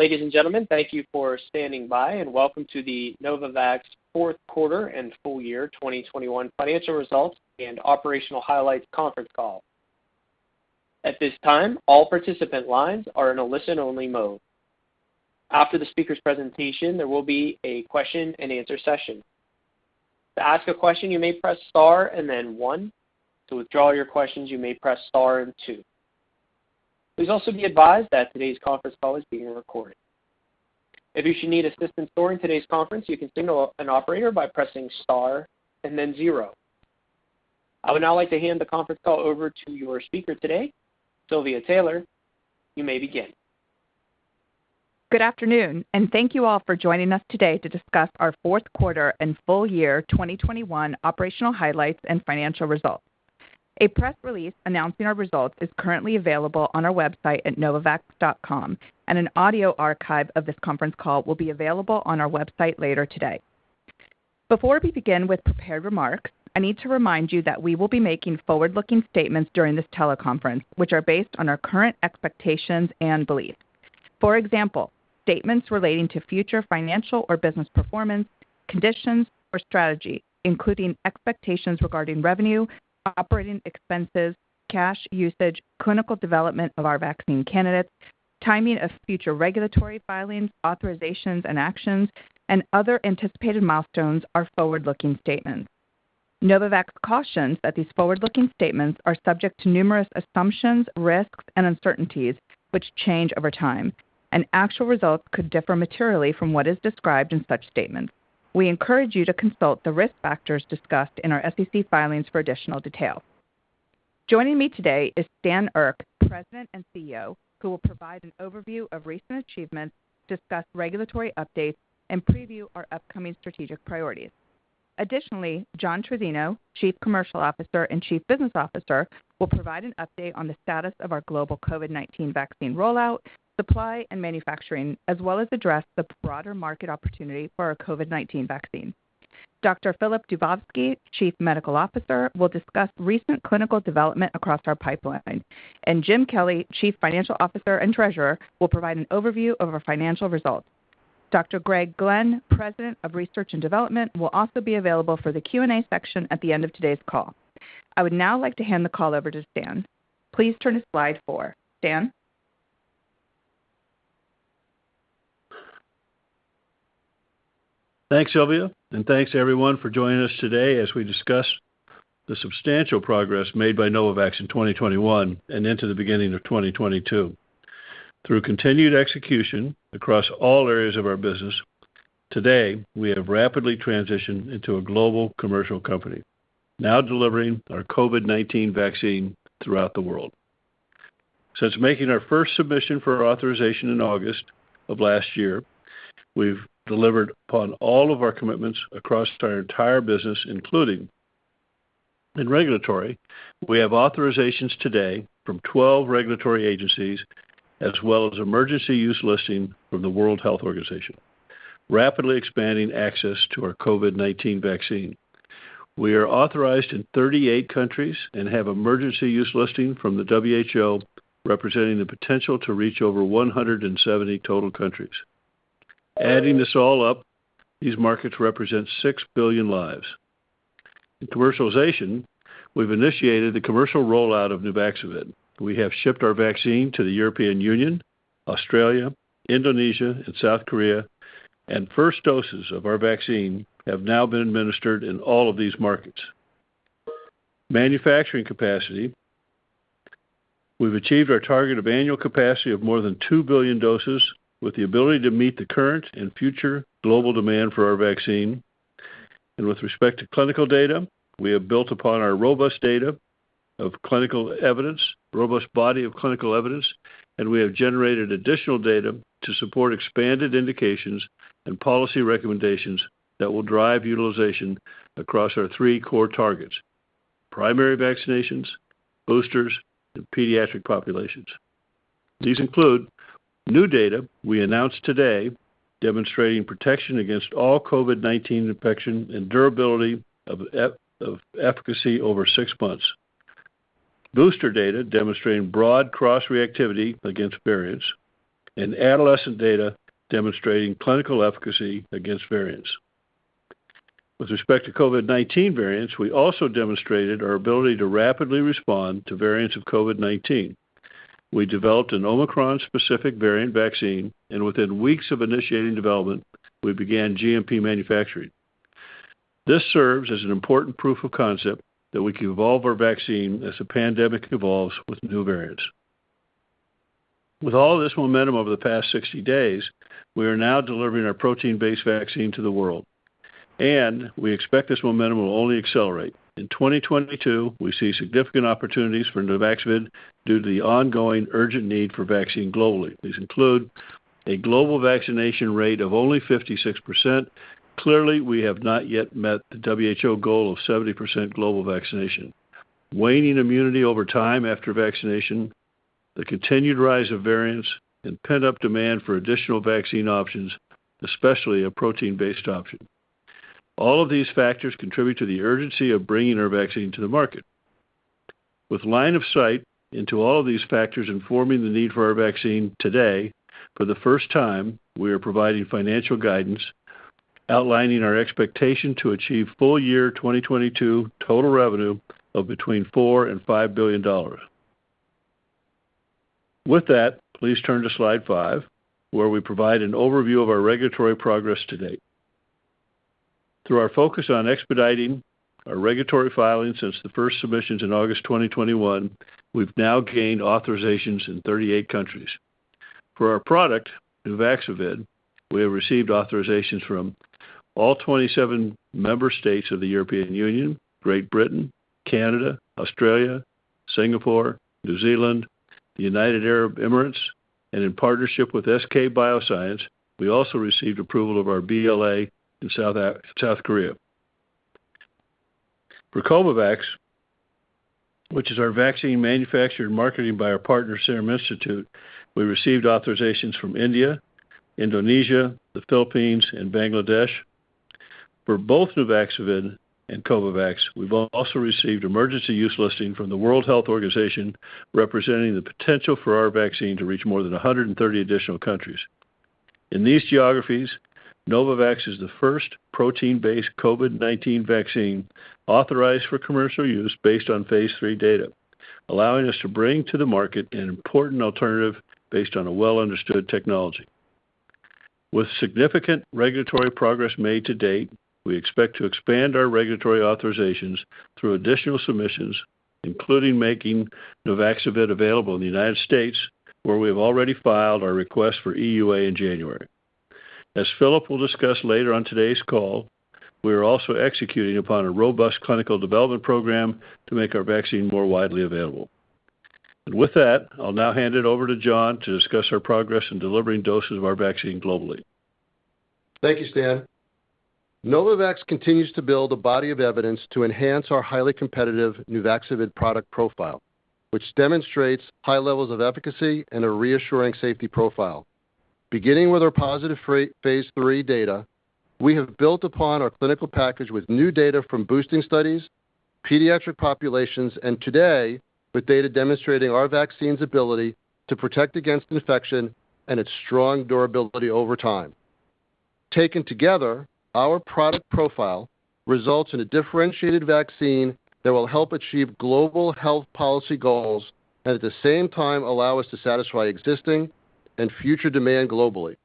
Ladies and gentlemen, thank you for standing by and welcome to the Novavax fourth quarter and full year 2021 financial results and operational highlights conference call. At this time, all participant lines are in a listen-only mode. After the speaker's presentation, there will be a question-and-answer session. To ask a question, you may press Star and then one. To withdraw your questions, you may press Star and two. Please also be advised that today's conference call is being recorded. If you should need assistance during today's conference, you can signal an operator by pressing Star and then zero. I would now like to hand the conference call over to your speaker today, Silvia Taylor. You may begin. Good afternoon, and thank you all for joining us today to discuss our fourth quarter and full year 2021 operational highlights and financial results. A press release announcing our results is currently available on our website at novavax.com, and an audio archive of this conference call will be available on our website later today. Before we begin with prepared remarks, I need to remind you that we will be making forward-looking statements during this teleconference, which are based on our current expectations and beliefs. For example, statements relating to future financial or business performance, conditions, or strategy, including expectations regarding revenue, operating expenses, cash usage, clinical development of our vaccine candidates, timing of future regulatory filings, authorizations, and actions, and other anticipated milestones are forward-looking statements. Novavax cautions that these forward-looking statements are subject to numerous assumptions, risks, and uncertainties which change over time, and actual results could differ materially from what is described in such statements. We encourage you to consult the risk factors discussed in our SEC filings for additional detail. Joining me today is Stan Erck, President and CEO, who will provide an overview of recent achievements, discuss regulatory updates, and preview our upcoming strategic priorities. Additionally, John Trizzino, Chief Commercial Officer and Chief Business Officer, will provide an update on the status of our global COVID-19 vaccine rollout, supply, and manufacturing, as well as address the broader market opportunity for our COVID-19 vaccine. Dr. Filip Dubovsky, Chief Medical Officer, will discuss recent clinical development across our pipeline. Jim Kelly, Chief Financial Officer and Treasurer, will provide an overview of our financial results. Dr. Greg Glenn, President of Research and Development, will also be available for the Q&A section at the end of today's call. I would now like to hand the call over to Stan. Please turn to slide four. Stan? Thanks, Silvia, and thanks to everyone for joining us today as we discuss the substantial progress made by Novavax in 2021 and into the beginning of 2022. Through continued execution across all areas of our business, today we have rapidly transitioned into a global commercial company, now delivering our COVID-19 vaccine throughout the world. Since making our first submission for our authorization in August of last year, we've delivered upon all of our commitments across our entire business, including in regulatory. We have authorizations today from 12 regulatory agencies as well as emergency use listing from the World Health Organization, rapidly expanding access to our COVID-19 vaccine. We are authorized in 38 countries and have emergency use listing from the WHO, representing the potential to reach over 170 total countries. Adding this all up, these markets represent 6 billion lives. In commercialization, we've initiated the commercial rollout of Nuvaxovid. We have shipped our vaccine to the European Union, Australia, Indonesia, and South Korea, and first doses of our vaccine have now been administered in all of these markets. Manufacturing capacity, we've achieved our target of annual capacity of more than 2 billion doses with the ability to meet the current and future global demand for our vaccine. With respect to clinical data, we have built upon our robust body of clinical evidence, and we have generated additional data to support expanded indications and policy recommendations that will drive utilization across our three core targets: primary vaccinations, boosters, and pediatric populations. These include new data we announced today demonstrating protection against all COVID-19 infection and durability of efficacy over six months. Booster data demonstrating broad cross-reactivity against variants and adolescent data demonstrating clinical efficacy against variants. With respect to COVID-19 variants, we also demonstrated our ability to rapidly respond to variants of COVID-19. We developed an Omicron-specific variant vaccine, and within weeks of initiating development, we began GMP manufacturing. This serves as an important proof of concept that we can evolve our vaccine as the pandemic evolves with new variants. With all this momentum over the past 60 days, we are now delivering our protein-based vaccine to the world, and we expect this momentum will only accelerate. In 2022, we see significant opportunities for Nuvaxovid due to the ongoing urgent need for vaccine globally. These include a global vaccination rate of only 56%. Clearly, we have not yet met the WHO goal of 70% global vaccination. Waning immunity over time after vaccination, the continued rise of variants, and pent-up demand for additional vaccine options, especially a protein-based option. All of these factors contribute to the urgency of bringing our vaccine to the market. With line of sight into all of these factors informing the need for our vaccine today, for the first time, we are providing financial guidance outlining our expectation to achieve full year 2022 total revenue of between $4 billion and $5 billion. With that, please turn to slide five, where we provide an overview of our regulatory progress to date. Through our focus on expediting our regulatory filings since the first submissions in August 2021, we've now gained authorizations in 38 countries. For our product, Nuvaxovid, we have received authorizations from all 27 member states of the European Union, Great Britain, Canada, Australia, Singapore, New Zealand, the United Arab Emirates, and in partnership with SK Bioscience, we also received approval of our BLA in South Korea. For Covovax, which is our vaccine manufactured and marketed by our partner Serum Institute, we received authorizations from India, Indonesia, the Philippines, and Bangladesh. For both Nuvaxovid and Covovax, we've also received emergency use listing from the World Health Organization, representing the potential for our vaccine to reach more than 130 additional countries. In these geographies, Novavax is the first protein-based COVID-19 vaccine authorized for commercial use based on phase III data, allowing us to bring to the market an important alternative based on a well-understood technology. With significant regulatory progress made to date, we expect to expand our regulatory authorizations through additional submissions, including making Nuvaxovid available in the U.S., where we have already filed our request for EUA in January. As Filip will discuss later on today's call, we are also executing upon a robust clinical development program to make our vaccine more widely available. With that, I'll now hand it over to John to discuss our progress in delivering doses of our vaccine globally. Thank you, Stan. Novavax continues to build a body of evidence to enhance our highly competitive Nuvaxovid product profile, which demonstrates high levels of efficacy and a reassuring safety profile. Beginning with our positive phase III data, we have built upon our clinical package with new data from boosting studies, pediatric populations, and today with data demonstrating our vaccine's ability to protect against infection and its strong durability over time. Taken together, our product profile results in a differentiated vaccine that will help achieve global health policy goals and at the same time allow us to satisfy existing and future demand globally.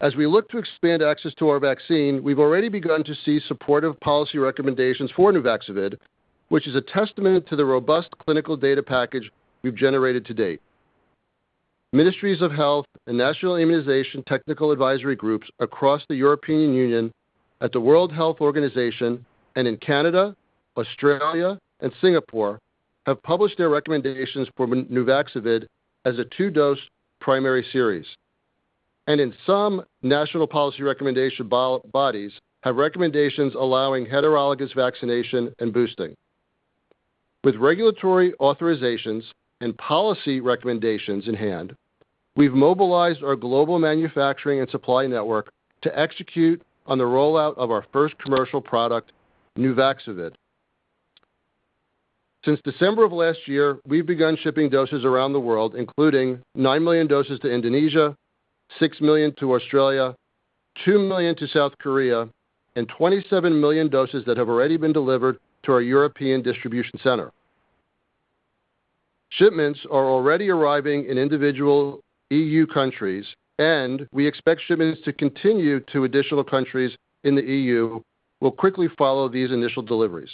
As we look to expand access to our vaccine, we've already begun to see supportive policy recommendations for Nuvaxovid, which is a testament to the robust clinical data package we've generated to date. Ministries of health and national immunization technical advisory groups across the European Union, the World Health Organization, and in Canada, Australia, and Singapore have published their recommendations for Nuvaxovid as a two-dose primary series. In some national policy recommendation bodies have recommendations allowing heterologous vaccination and boosting. With regulatory authorizations and policy recommendations in hand, we've mobilized our global manufacturing and supply network to execute on the rollout of our first commercial product, Nuvaxovid. Since December of last year, we've begun shipping doses around the world, including 9 million doses to Indonesia, 6 million to Australia, 2 million to South Korea, and 27 million doses that have already been delivered to our European distribution center. Shipments are already arriving in individual EU countries, and we expect shipments to continue to additional countries in the EU will quickly follow these initial deliveries.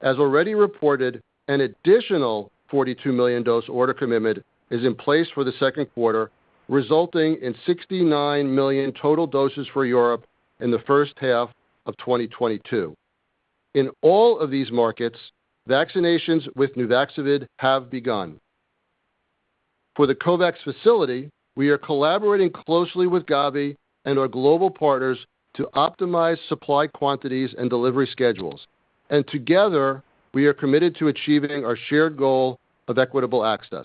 As already reported, an additional 42 million-dose order commitment is in place for the second quarter, resulting in 69 million total doses for Europe in the first half of 2022. In all of these markets, vaccinations with Nuvaxovid have begun. For the COVAX facility, we are collaborating closely with Gavi and our global partners to optimize supply quantities and delivery schedules. Together, we are committed to achieving our shared goal of equitable access.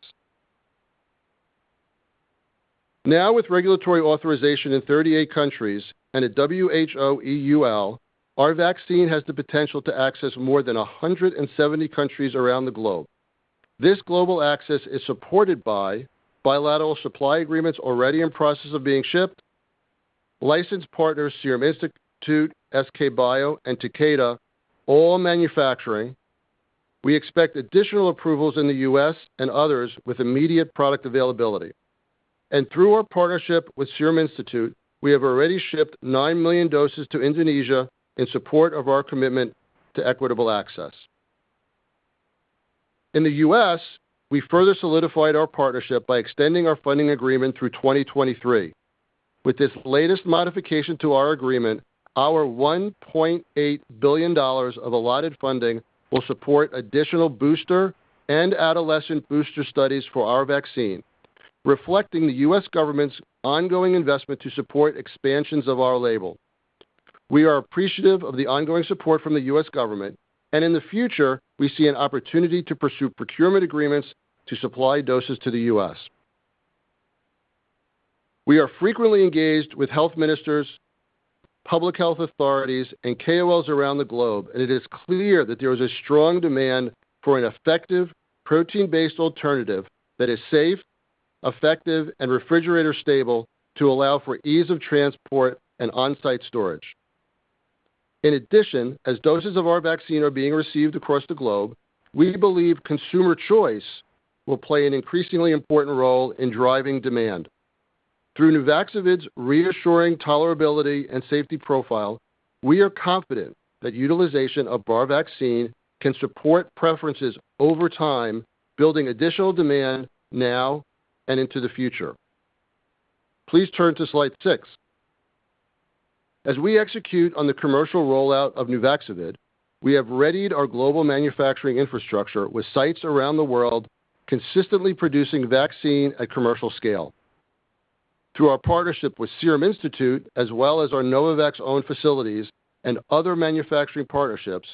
Now with regulatory authorization in 38 countries and a WHO EUL, our vaccine has the potential to access more than 170 countries around the globe. This global access is supported by bilateral supply agreements already in process of being shipped, licensed partners Serum Institute, SK bioscience, and Takeda all manufacturing. We expect additional approvals in the U.S. and others with immediate product availability. Through our partnership with Serum Institute, we have already shipped 9 million doses to Indonesia in support of our commitment to equitable access. In the U.S., we further solidified our partnership by extending our funding agreement through 2023. With this latest modification to our agreement, our $1.8 billion of allotted funding will support additional booster and adolescent booster studies for our vaccine, reflecting the U.S. government's ongoing investment to support expansions of our label. We are appreciative of the ongoing support from the U.S. government, and in the future, we see an opportunity to pursue procurement agreements to supply doses to the U.S. We are frequently engaged with health ministers, public health authorities, and KOLs around the globe, and it is clear that there is a strong demand for an effective protein-based alternative that is safe, effective, and refrigerator-stable to allow for ease of transport and on-site storage. In addition, as doses of our vaccine are being received across the globe, we believe consumer choice will play an increasingly important role in driving demand. Through Nuvaxovid's reassuring tolerability and safety profile, we are confident that utilization of our vaccine can support preferences over time, building additional demand now and into the future. Please turn to slide six. As we execute on the commercial rollout of Nuvaxovid, we have readied our global manufacturing infrastructure with sites around the world consistently producing vaccine at commercial scale. Through our partnership with Serum Institute, as well as our Novavax own facilities and other manufacturing partnerships,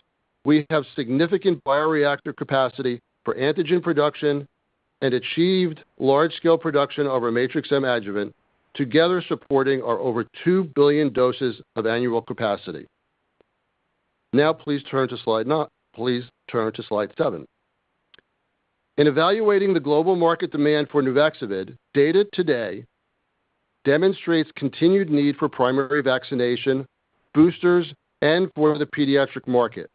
we have significant bioreactor capacity for antigen production and achieved large-scale production of our Matrix-M adjuvant together supporting our over 2 billion doses of annual capacity. Please turn to slide seven. In evaluating the global market demand for Nuvaxovid, data today demonstrates continued need for primary vaccination, boosters, and for the pediatric market.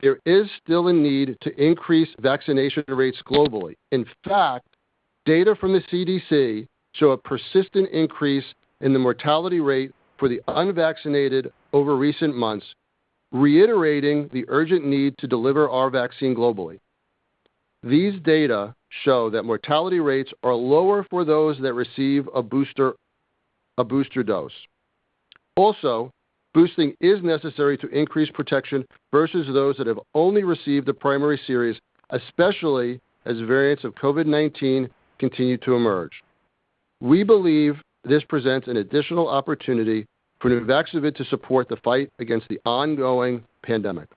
There is still a need to increase vaccination rates globally. In fact, data from the CDC show a persistent increase in the mortality rate for the unvaccinated over recent months, reiterating the urgent need to deliver our vaccine globally. These data show that mortality rates are lower for those that receive a booster, a booster dose. Also, boosting is necessary to increase protection versus those that have only received the primary series, especially as variants of COVID-19 continue to emerge. We believe this presents an additional opportunity for Nuvaxovid to support the fight against the ongoing pandemic.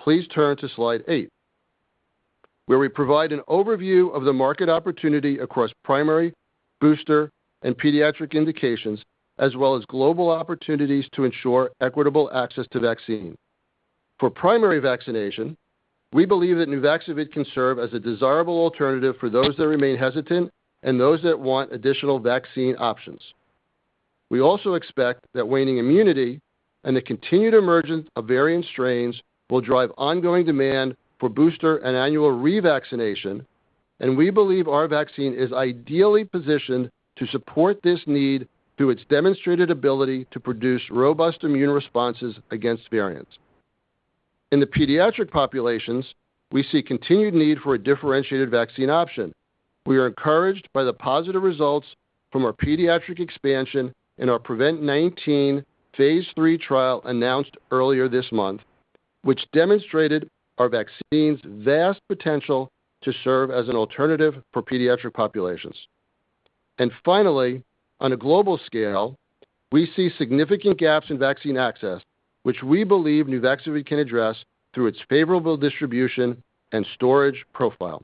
Please turn to slide eight, where we provide an overview of the market opportunity across primary, booster, and pediatric indications, as well as global opportunities to ensure equitable access to vaccine. For primary vaccination, we believe that Nuvaxovid can serve as a desirable alternative for those that remain hesitant and those that want additional vaccine options. We also expect that waning immunity and the continued emergence of variant strains will drive ongoing demand for booster and annual revaccination, and we believe our vaccine is ideally positioned to support this need through its demonstrated ability to produce robust immune responses against variants. In the pediatric populations, we see continued need for a differentiated vaccine option. We are encouraged by the positive results from our pediatric expansion in our PREVENT-19 phase III trial announced earlier this month, which demonstrated our vaccine's vast potential to serve as an alternative for pediatric populations. Finally, on a global scale, we see significant gaps in vaccine access, which we believe Nuvaxovid can address through its favorable distribution and storage profile.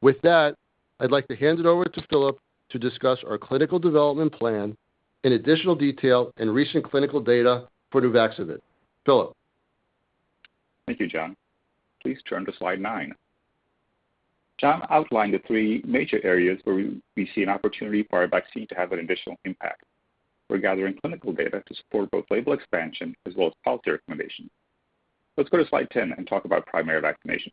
With that, I'd like to hand it over to Filip to discuss our clinical development plan in additional detail and recent clinical data for Nuvaxovid. Filip. Thank you, John. Please turn to slide nine. John outlined the three major areas where we see an opportunity for our vaccine to have an additional impact. We're gathering clinical data to support both label expansion as well as policy recommendation. Let's go to slide 10 and talk about primary vaccination.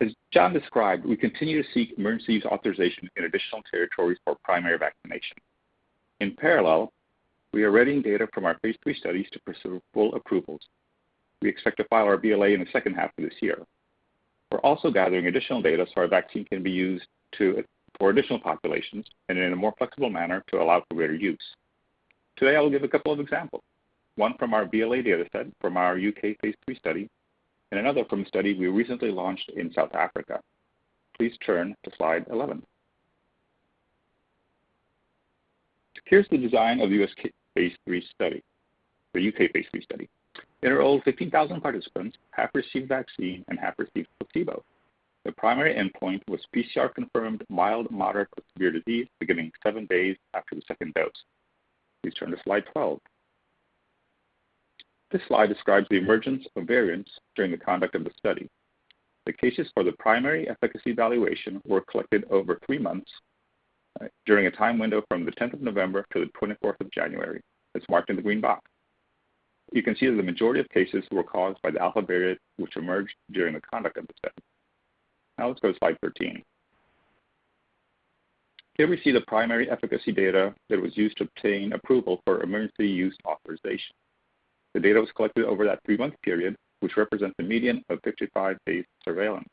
As John described, we continue to seek emergency use authorization in additional territories for primary vaccination. In parallel, we are readying data from our phase III studies to pursue full approvals. We expect to file our BLA in the second half of this year. We're also gathering additional data so our vaccine can be used for additional populations and in a more flexible manner to allow for greater use. Today, I will give a couple of examples, one from our BLA data set from our UK phase III study and another from study we recently launched in South Africa. Please turn to slide 11. Here's the design of the UK phase III study. In all, 15,000 participants, half received vaccine and half received placebo. The primary endpoint was PCR-confirmed mild, moderate, or severe disease beginning seven days after the second dose. Please turn to slide 12. This slide describes the emergence of variants during the conduct of the study. The cases for the primary efficacy evaluation were collected over three months during a time window from the 10th of November to the 24th of January. It's marked in the green box. You can see that the majority of cases were caused by the Alpha variant, which emerged during the conduct of the study. Now let's go to slide 13. Here we see the primary efficacy data that was used to obtain approval for emergency use authorization. The data was collected over that three-month period, which represents the median of 55 days surveillance.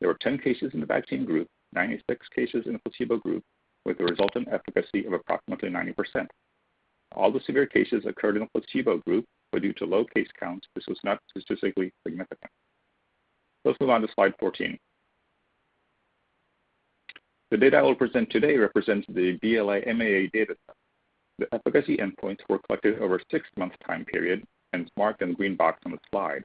There were 10 cases in the vaccine group, 96 cases in the placebo group with a resultant efficacy of approximately 90%. All the severe cases occurred in the placebo group, but due to low case counts, this was not statistically significant. Let's move on to slide 14. The data I will present today represents the BLA MAA data set. The efficacy endpoints were collected over a six-month time period and marked in the green box on the slide.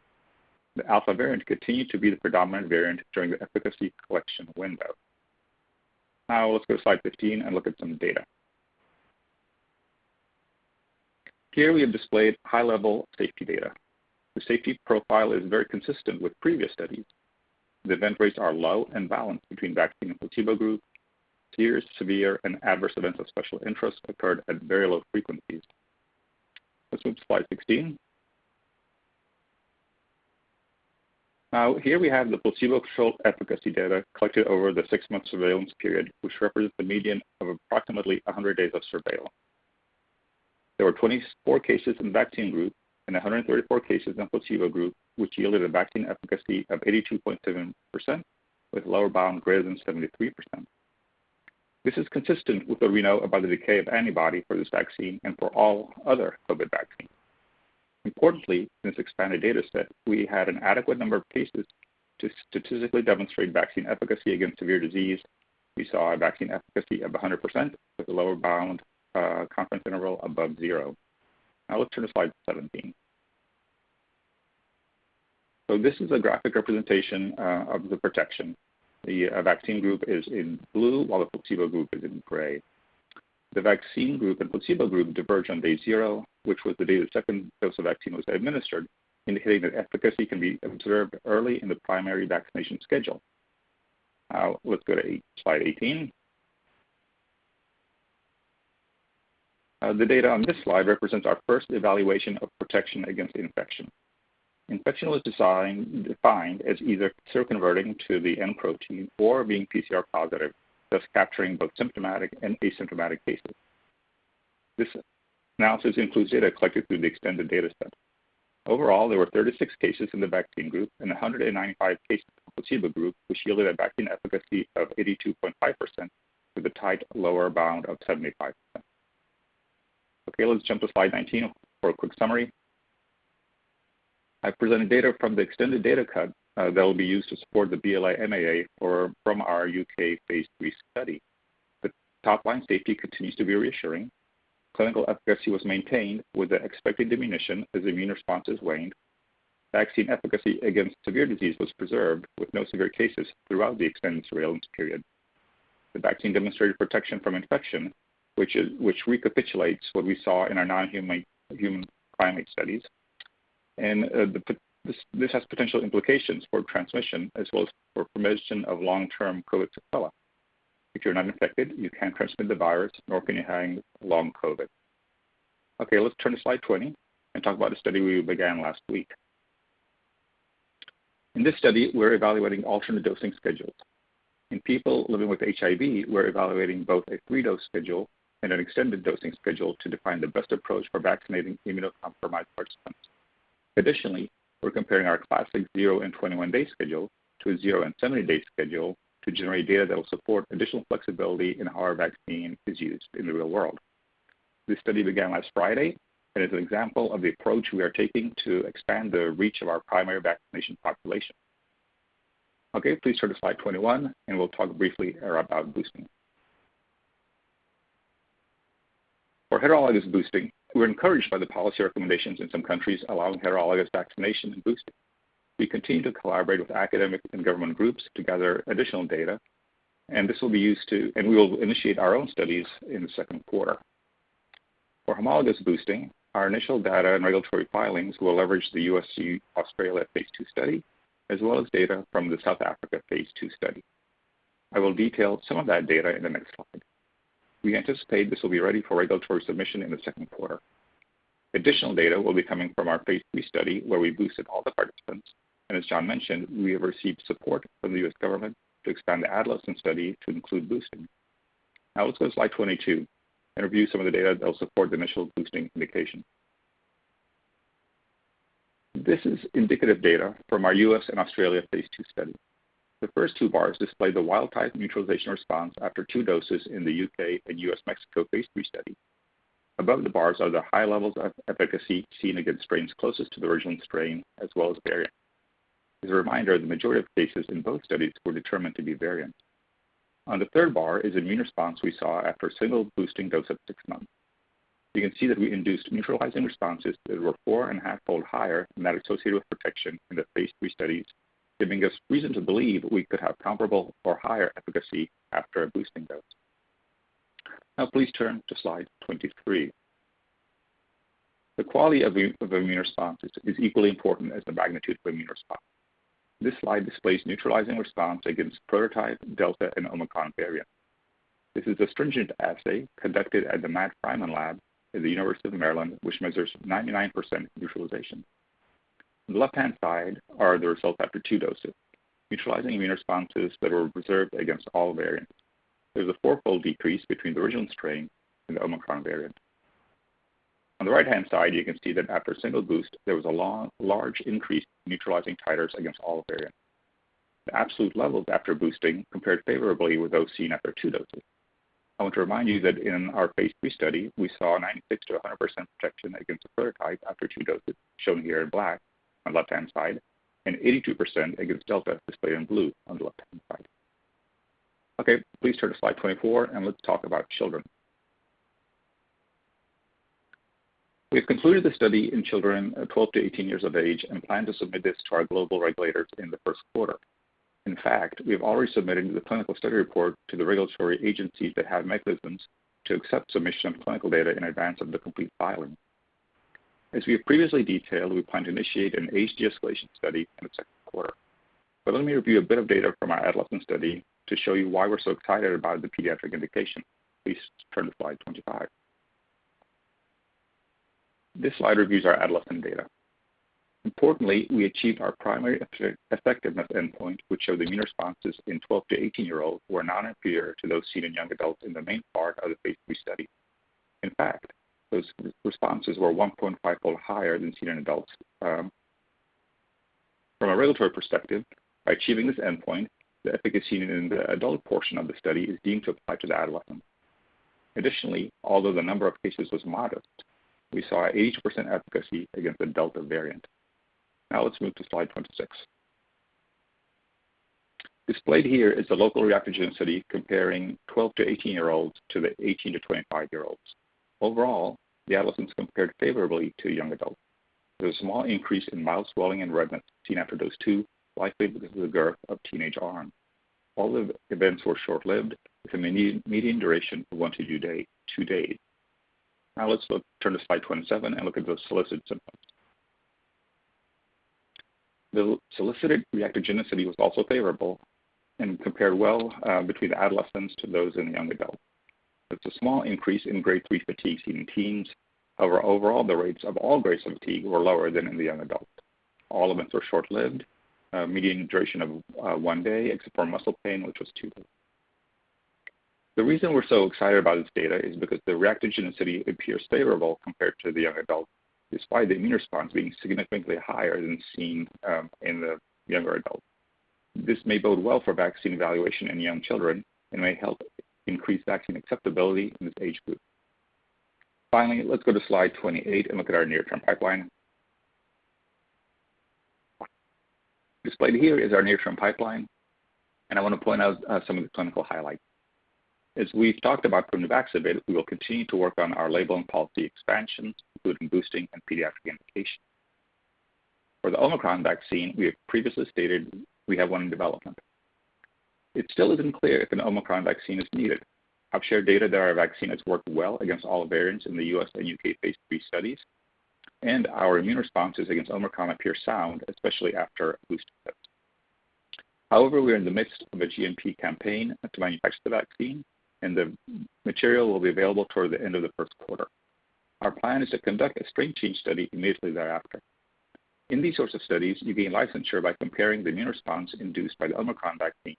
The Alpha variant continued to be the predominant variant during the efficacy collection window. Now let's go to slide 15 and look at some data. Here we have displayed high-level safety data. The safety profile is very consistent with previous studies. The event rates are low and balanced between vaccine and placebo group. Serious severe and adverse events of special interest occurred at very low frequencies. Let's move to slide 16. Now, here we have the placebo-controlled efficacy data collected over the six-month surveillance period, which represents the median of approximately 100 days of surveillance. There were 24 cases in the vaccine group and 134 cases in the placebo group, which yielded a vaccine efficacy of 82.7% with lower bound greater than 73%. This is consistent with what we know about the decay of antibody for this vaccine and for all other COVID vaccines. Importantly, in this expanded data set, we had an adequate number of cases to statistically demonstrate vaccine efficacy against severe disease. We saw a vaccine efficacy of 100% with a lower bound, confidence interval above zero. Now let's turn to slide 17. So this is a graphic representation, of the protection. The vaccine group is in blue, while the placebo group is in gray. The vaccine group and placebo group diverge on day zero, which was the day the second dose of vaccine was administered, indicating that efficacy can be observed early in the primary vaccination schedule. Now let's go to slide 18. The data on this slide represents our first evaluation of protection against infection. Infection was defined as either seroconverting to the N protein or being PCR positive, thus capturing both symptomatic and asymptomatic cases. This analysis includes data collected through the extended data set. Overall, there were 36 cases in the vaccine group and 195 cases in the placebo group, which yielded a vaccine efficacy of 82.5% with a tight lower bound of 75%. Okay, let's jump to slide 19 for a quick summary. I presented data from the extended data cut that will be used to support the BLA MAA or from our UK phase III study. The top-line safety continues to be reassuring. Clinical efficacy was maintained with an expected diminution as immune response has waned. Vaccine efficacy against severe disease was preserved with no severe cases throughout the extended surveillance period. The vaccine demonstrated protection from infection, which recapitulates what we saw in our non-human primate studies. This has potential implications for transmission as well as for prevention of long-term COVID sequelae. If you're not infected, you can't transmit the virus, nor can you have long COVID. Okay, let's turn to slide 20 and talk about the study we began last week. In this study, we're evaluating alternate dosing schedules. In people living with HIV, we're evaluating both a three-dose schedule and an extended dosing schedule to define the best approach for vaccinating immunocompromised participants. Additionally, we're comparing our classic zero-and-21-day schedule to a zero and 70-day schedule to generate data that will support additional flexibility in how our vaccine is used in the real world. This study began last Friday and is an example of the approach we are taking to expand the reach of our primary vaccination population. Okay, please turn to slide 21, and we'll talk briefly about boosting. For heterologous boosting, we're encouraged by the policy recommendations in some countries allowing heterologous vaccination and boosting. We continue to collaborate with academic and government groups to gather additional data, and this will be used and we will initiate our own studies in the second quarter. For homologous boosting, our initial data and regulatory filings will leverage the U.S./Australia phase II study as well as data from the South Africa phase II study. I will detail some of that data in the next slide. We anticipate this will be ready for regulatory submission in the second quarter. Additional data will be coming from our phase III study where we boosted all the participants. As John mentioned, we have received support from the U.S. government to expand the adolescent study to include boosting. Now let's go to slide 22 and review some of the data that will support the initial boosting indication. This is indicative data from our U.S. and Australia phase II study. The first two bars display the wild type neutralization response after two doses in the U.K. and U.S./Mexico phase III study. Above the bars are the high levels of efficacy seen against strains closest to the original strain as well as variant. As a reminder, the majority of cases in both studies were determined to be variant. On the third bar is immune response we saw after a single boosting dose at six months. You can see that we induced neutralizing responses that were 4.5-fold higher than that associated with protection in the phase III studies, giving us reason to believe we could have comparable or higher efficacy after a boosting dose. Now please turn to slide 23. The quality of the immune response is equally important as the magnitude of immune response. This slide displays neutralizing response against prototype Delta and Omicron variant. This is a stringent assay conducted at the Matthew Frieman Lab at the University of Maryland, which measures 99% neutralization. On the left-hand side are the results after 2 doses, neutralizing immune responses that were observed against all variants. There's a 4-fold decrease between the original strain and the Omicron variant. On the right-hand side, you can see that after a single boost, there was a large increase in neutralizing titers against all variants. The absolute levels after boosting compared favorably with those seen after two doses. I want to remind you that in our phase III study, we saw 96%-100% protection against the prototype after two doses, shown here in black on the left-hand side, and 82% against Delta, displayed in blue on the left-hand side. Okay, please turn to slide 24 and let's talk about children. We've concluded the study in children 12 to 18 years of age and plan to submit this to our global regulators in the first quarter. In fact, we have already submitted the clinical study report to the regulatory agencies that have mechanisms to accept submission of clinical data in advance of the complete filing. As we have previously detailed, we plan to initiate an age de-escalation study in the second quarter. Let me review a bit of data from our adolescent study to show you why we're so excited about the pediatric indication. Please turn to slide 25. This slide reviews our adolescent data. Importantly, we achieved our primary effectiveness endpoint, which showed immune responses in 12- to 18-year-olds were non-inferior to those seen in young adults in the main part of the phase III study. In fact, those responses were 1.5-fold higher than seen in adults. From a regulatory perspective, by achieving this endpoint, the efficacy in the adult portion of the study is deemed to apply to the adolescent. Additionally, although the number of cases was modest, we saw 80% efficacy against the Delta variant. Now let's move to slide 26. Displayed here is the local reactogenicity comparing 12 to 18-year-olds to the 18- to 25-year-olds. Overall, the adolescents compared favorably to young adults. There was a small increase in mild swelling and redness seen after dose two, likely because of the girth of teenage arm. All the events were short-lived with a median duration of one to two days. Now let's turn to slide 27 and look at those solicited symptoms. The solicited reactogenicity was also favorable and compared well between adolescents to those in the young adult. There was a small increase in grade three fatigue seen in teens. However, overall, the rates of all grades of fatigue were lower than in the young adult. All events were short-lived, median duration of one day, except for muscle pain, which was two days. The reason we're so excited about this data is because the reactogenicity appears favorable compared to the young adult, despite the immune response being significantly higher than seen in the younger adult. This may bode well for vaccine evaluation in young children and may help increase vaccine acceptability in this age group. Finally, let's go to slide 28 and look at our near-term pipeline. Displayed here is our near-term pipeline, and I want to point out some of the clinical highlights. As we've talked about for Nuvaxovid, we will continue to work on our label and policy expansions, including boosting and pediatric indication. For the Omicron vaccine, we have previously stated we have one in development. It still isn't clear if an Omicron vaccine is needed. I've shared data that our vaccine has worked well against all variants in the U.S. and U.K. phase III studies, and our immune responses against Omicron appear sound, especially after a boost. However, we are in the midst of a GMP campaign to manufacture the vaccine, and the material will be available toward the end of the first quarter. Our plan is to conduct a strain change study immediately thereafter. In these sorts of studies, you gain licensure by comparing the immune response induced by the Omicron vaccine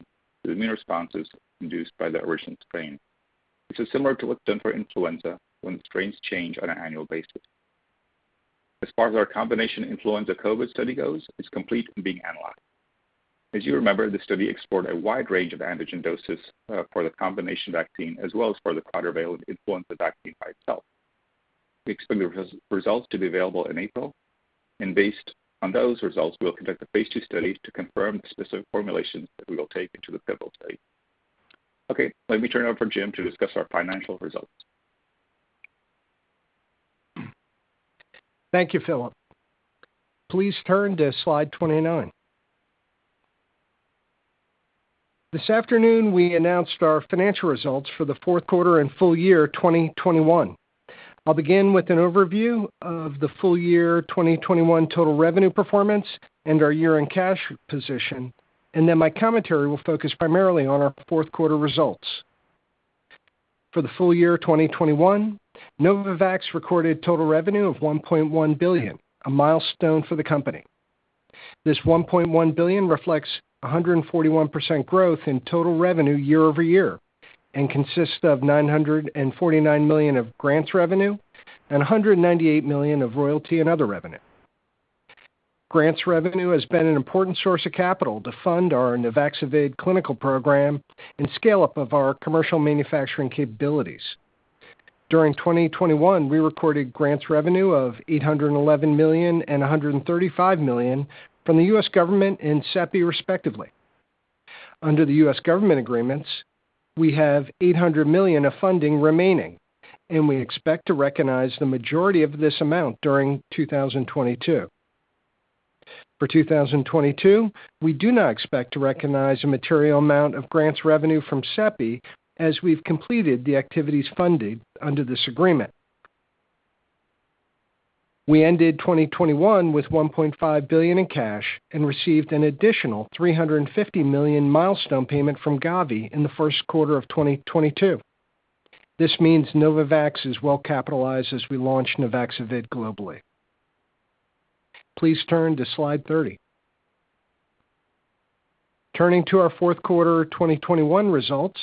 to the immune responses induced by the original strain, which is similar to what's done for influenza when strains change on an annual basis. As far as our combination influenza COVID study goes, it's complete and being analyzed. As you remember, the study explored a wide range of antigen doses, for the combination vaccine as well as for the quadrivalent influenza vaccine by itself. We expect the results to be available in April, and based on those results, we will conduct a phase II study to confirm the specific formulations that we will take into the pivotal study. Okay, let me turn it over to Jim to discuss our financial results. Thank you, Filip. Please turn to slide 29. This afternoon, we announced our financial results for the fourth quarter and full year 2021. I'll begin with an overview of the full year 2021 total revenue performance and our year-end cash position, and then my commentary will focus primarily on our fourth quarter results. For the full year 2021, Novavax recorded total revenue of $1.1 billion, a milestone for the company. This $1.1 billion reflects 141% growth in total revenue year-over-year and consists of $949 million of grants revenue and $198 million of royalty and other revenue. Grants revenue has been an important source of capital to fund our Nuvaxovid clinical program and scale up of our commercial manufacturing capabilities. During 2021, we recorded grants revenue of $811 million and $135 million from the U.S. government and CEPI, respectively. Under the U.S. government agreements, we have $800 million of funding remaining, and we expect to recognize the majority of this amount during 2022. For 2022, we do not expect to recognize a material amount of grants revenue from CEPI as we've completed the activities funded under this agreement. We ended 2021 with $1.5 billion in cash and received an additional $350 million milestone payment from Gavi in the first quarter of 2022. This means Novavax is well capitalized as we launch Nuvaxovid globally. Please turn to slide 30. Turning to our fourth quarter 2021 results,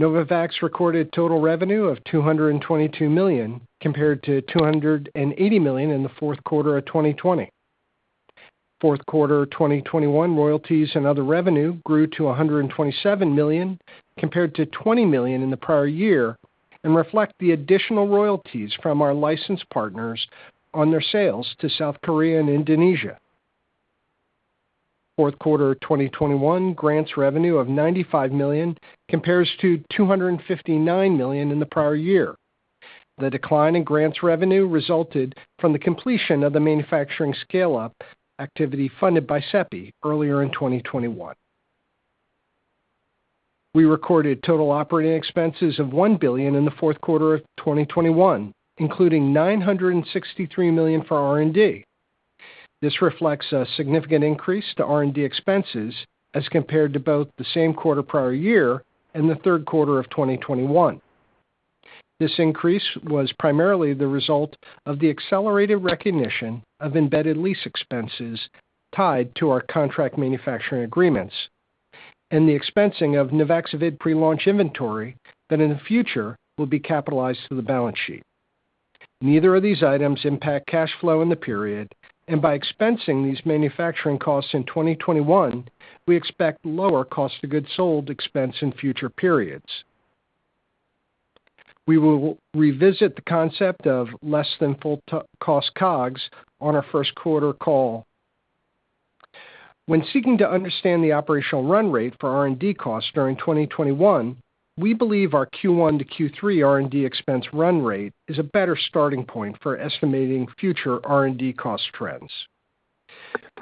Novavax recorded total revenue of $222 million, compared to $280 million in the fourth quarter of 2020. Fourth quarter 2021 royalties and other revenue grew to $127 million, compared to $20 million in the prior year, and reflect the additional royalties from our license partners on their sales to South Korea and Indonesia. Fourth quarter 2021 grants revenue of $95 million compares to $259 million in the prior year. The decline in grants revenue resulted from the completion of the manufacturing scale-up activity funded by CEPI earlier in 2021. We recorded total operating expenses of $1 billion in the fourth quarter of 2021, including $963 million for R&D. This reflects a significant increase to R&D expenses as compared to both the same quarter prior year and the third quarter of 2021. This increase was primarily the result of the accelerated recognition of embedded lease expenses tied to our contract manufacturing agreements and the expensing of Nuvaxovid pre-launch inventory that in the future will be capitalized through the balance sheet. Neither of these items impact cash flow in the period, and by expensing these manufacturing costs in 2021, we expect lower cost of goods sold expense in future periods. We will revisit the concept of less than full cost COGS on our first quarter call. When seeking to understand the operational run rate for R&D costs during 2021, we believe our Q1 to Q3 R&D expense run rate is a better starting point for estimating future R&D cost trends.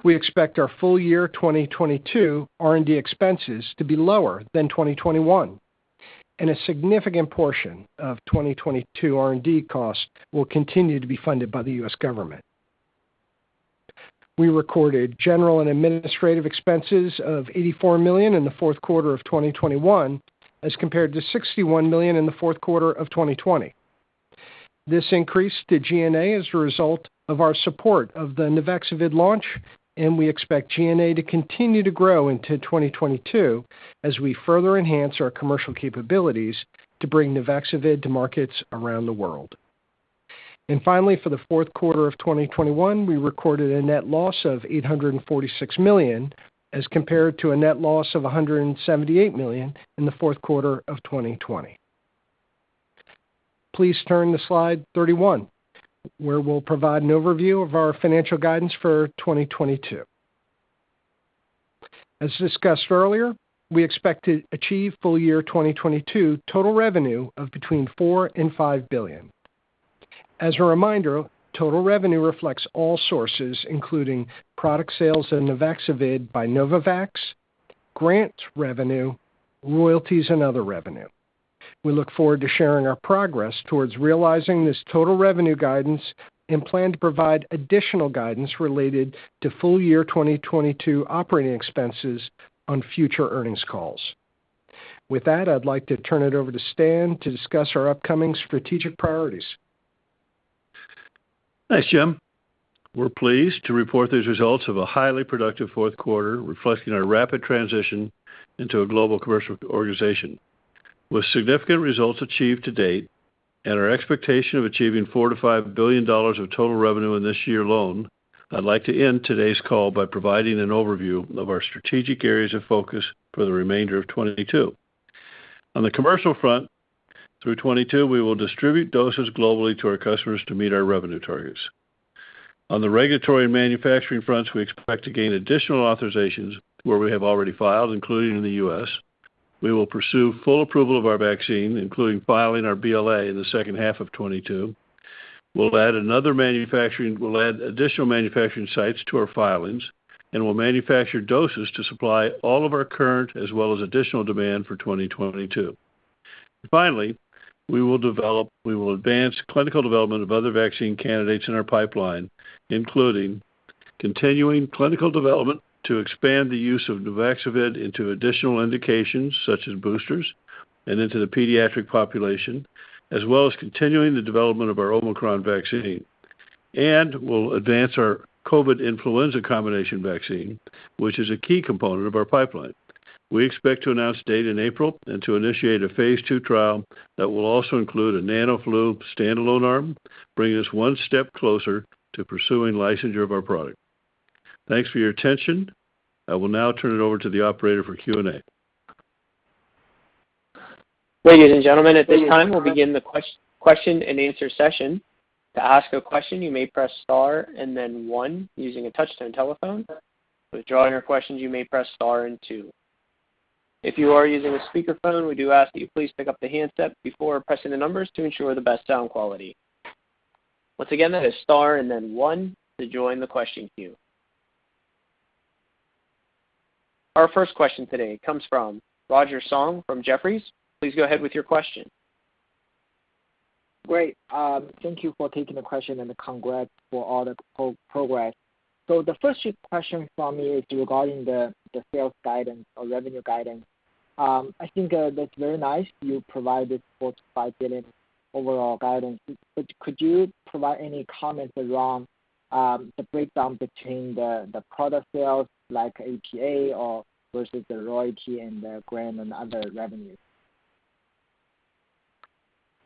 We expect our full year 2022 R&D expenses to be lower than 2021, and a significant portion of 2022 R&D costs will continue to be funded by the U.S. government. We recorded general and administrative expenses of $84 million in the fourth quarter of 2021, as compared to $61 million in the fourth quarter of 2020. This increase to G&A is a result of our support of the Nuvaxovid launch, and we expect G&A to continue to grow into 2022 as we further enhance our commercial capabilities to bring Nuvaxovid to markets around the world. Finally, for the fourth quarter of 2021, we recorded a net loss of $846 million, as compared to a net loss of $178 million in the fourth quarter of 2020. Please turn to slide 31, where we'll provide an overview of our financial guidance for 2022. As discussed earlier, we expect to achieve full year 2022 total revenue of between $4 billion and $5 billion. As a reminder, total revenue reflects all sources, including product sales of Nuvaxovid by Novavax, grant revenue, royalties, and other revenue. We look forward to sharing our progress towards realizing this total revenue guidance and plan to provide additional guidance related to full year 2022 operating expenses on future earnings calls. With that, I'd like to turn it over to Stan to discuss our upcoming strategic priorities. Thanks, Jim. We're pleased to report these results of a highly productive fourth quarter, reflecting our rapid transition into a global commercial organization. With significant results achieved to date and our expectation of achieving $4 billion-$5 billion of total revenue in this year alone, I'd like to end today's call by providing an overview of our strategic areas of focus for the remainder of 2022. On the commercial front, through 2022, we will distribute doses globally to our customers to meet our revenue targets. On the regulatory and manufacturing fronts, we expect to gain additional authorizations where we have already filed, including in the U.S. We will pursue full approval of our vaccine, including filing our BLA in the second half of 2022. We'll add additional manufacturing sites to our filings, and we'll manufacture doses to supply all of our current as well as additional demand for 2022. Finally, we will advance clinical development of other vaccine candidates in our pipeline, including continuing clinical development to expand the use of Nuvaxovid into additional indications such as boosters and into the pediatric population, as well as continuing the development of our Omicron vaccine. We'll advance our COVID influenza combination vaccine, which is a key component of our pipeline. We expect to announce data in April and to initiate a phase II trial that will also include a NanoFlu standalone arm, bringing us one step closer to pursuing licensure of our product. Thanks for your attention. I will now turn it over to the operator for Q&A. Ladies and gentlemen, at this time, we'll begin the question and answer session. To ask a question, you may press star and then one using a touch-tone telephone. To withdraw your questions, you may press star and two. If you are using a speakerphone, we do ask that you please pick up the handset before pressing the numbers to ensure the best sound quality. Once again, that is star and then one to join the question queue. Our first question today comes from Roger Song from Jefferies. Please go ahead with your question. Great. Thank you for taking the question and congrats for all the progress. The first question from me is regarding the sales guidance or revenue guidance. I think that's very nice you provided $4 billion-$5 billion overall guidance, but could you provide any comments around the breakdown between the product sales like APA versus the royalty and the grant and other revenues?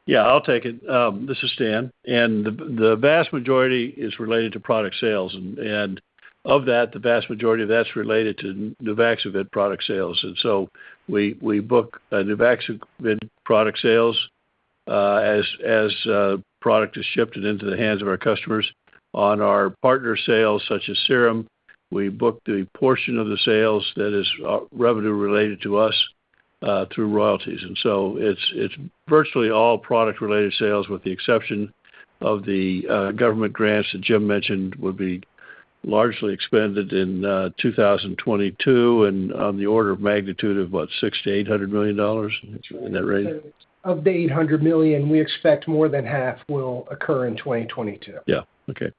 Yeah, I'll take it. This is Stan, and the vast majority is related to product sales. Of that, the vast majority of that's related to Nuvaxovid product sales. We book Nuvaxovid product sales as product is shifted into the hands of our customers on our partner sales such as Serum. We book the portion of the sales that is revenue related to us through royalties. It's virtually all product-related sales with the exception of the government grants that Jim mentioned would be largely expended in 2022. On the order of magnitude of about $600 million-$800 million in that range. Of the 800 million, we expect more than half will occur in 2022. Yeah. Okay.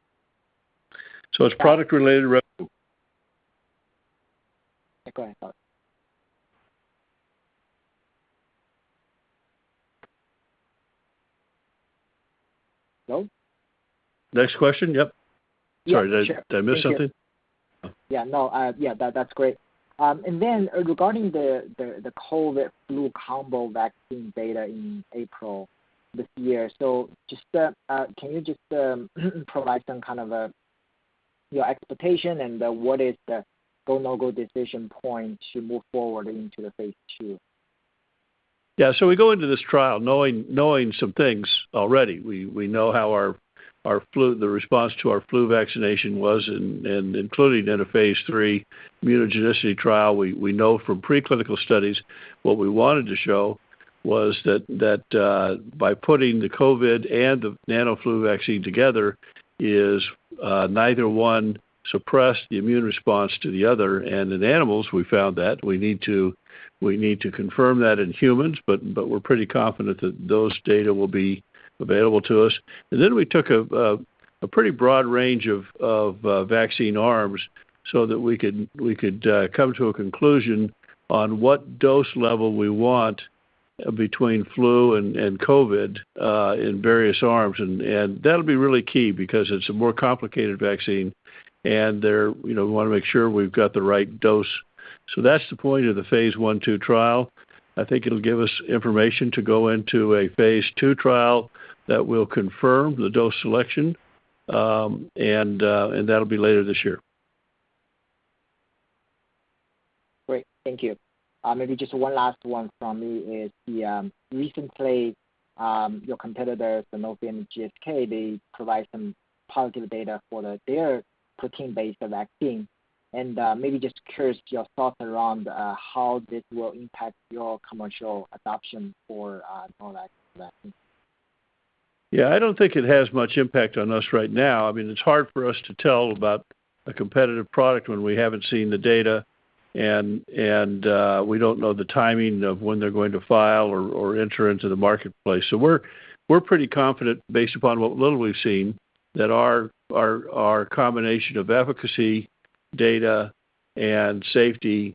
It's product related. Go ahead, thought. Hello? Next question. Yep. Yeah. Sure. Sorry, did I miss something? Yeah, no, yeah, that's great. Then regarding the COVID flu combo vaccine data in April this year, just can you just provide some kind of a your expectation and what is the go/no-go decision point to move forward into phase II? Yeah. We go into this trial knowing some things already. We know how our flu the response to our flu vaccination was and including in a phase III immunogenicity trial. We know from preclinical studies what we wanted to show was that by putting the COVID and the NanoFlu vaccine together is neither one suppressed the immune response to the other. In animals, we found that. We need to confirm that in humans, but we're pretty confident that those data will be available to us. Then we took a pretty broad range of vaccine arms so that we could come to a conclusion on what dose level we want between flu and COVID in various arms. that'll be really key because it's a more complicated vaccine. They're, you know, we want to make sure we've got the right dose. That's the point of the phase I/II trial. I think it'll give us information to go into a phase II trial that will confirm the dose selection. That'll be later this year. Great. Thank you. Maybe just one last one from me is the recently your competitors, Sanofi and GSK, they provide some positive data for their protein-based vaccine. Maybe just curious your thoughts around how this will impact your commercial adoption for Novavax vaccine. Yeah. I don't think it has much impact on us right now. I mean, it's hard for us to tell about a competitive product when we haven't seen the data and we don't know the timing of when they're going to file or enter into the marketplace. So we're pretty confident based upon what little we've seen, that our combination of efficacy data and safety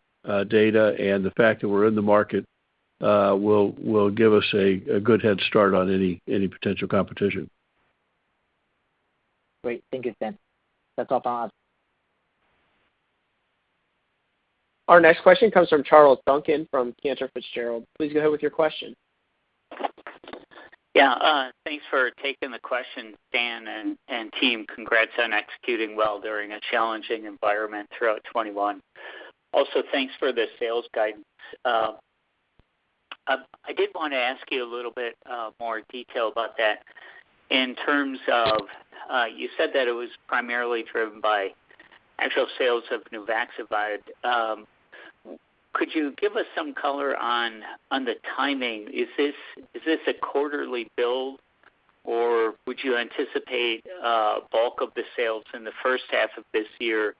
data and the fact that we're in the market will give us a good head start on any potential competition. Great. Thank you, Stan. That's all for now. Our next question comes from Charles Duncan from Cantor Fitzgerald. Please go ahead with your question. Yeah. Thanks for taking the question, Stan and team. Congrats on executing well during a challenging environment throughout 2021. Also, thanks for the sales guidance. I did want to ask you a little bit more detail about that. In terms of, you said that it was primarily driven by actual sales of Nuvaxovid. Could you give us some color on the timing? Is this a quarterly build, or would you anticipate a bulk of the sales in the first half of this year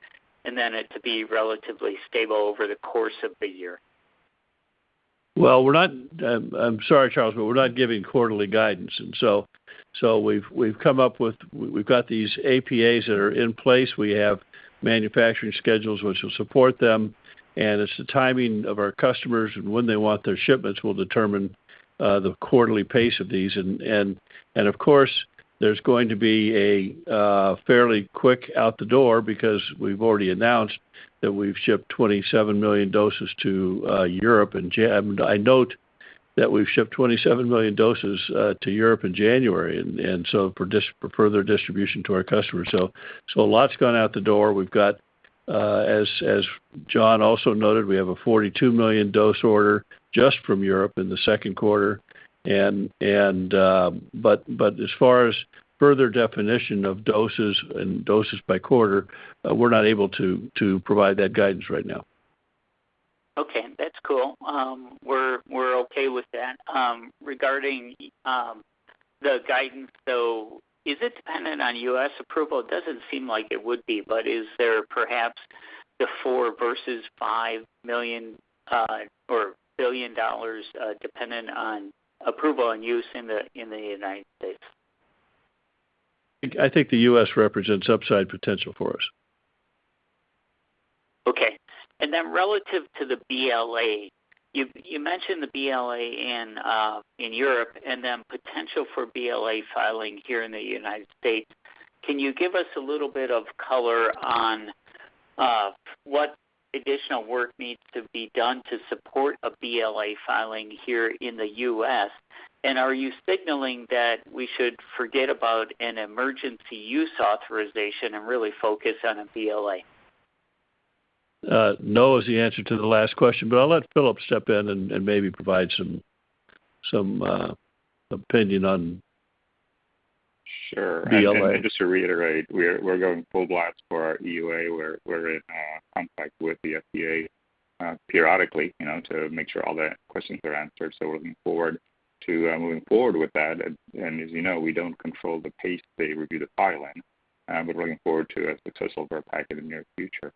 and then it to be relatively stable over the course of the year? Well, I'm sorry, Charles, but we're not giving quarterly guidance. We've got these APAs that are in place. We have manufacturing schedules which will support them, and it's the timing of our customers and when they want their shipments that will determine the quarterly pace of these. Of course, there's going to be a fairly quick out the door because we've already announced that I note that we've shipped 27 million doses to Europe in January for further distribution to our customers. A lot's gone out the door. As John also noted, we have a 42 million dose order just from Europe in the second quarter. As far as further definition of doses and doses by quarter, we're not able to provide that guidance right now. Okay. That's cool. We're okay with that. Regarding the guidance, is it dependent on U.S. approval? It doesn't seem like it would be, but is there perhaps the $4 versus $5 million or billion dollars dependent on approval and use in the U.S.? I think the U.S. represents upside potential for us. Okay. Relative to the BLA, you mentioned the BLA in Europe and then potential for BLA filing here in the U.S. Can you give us a little bit of color on what additional work needs to be done to support a BLA filing here in the U.S.? Are you signaling that we should forget about an emergency use authorization and really focus on a BLA? No is the answer to the last question, but I'll let Filip step in and maybe provide some opinion on- Sure. -BLA. Just to reiterate, we're going full blast for our EUA. We're in contact with the FDA periodically, you know, to make sure all the questions are answered. We're looking forward to moving forward with that. As you know, we don't control the pace they review the filing. But we're looking forward to a successful packet in the near future.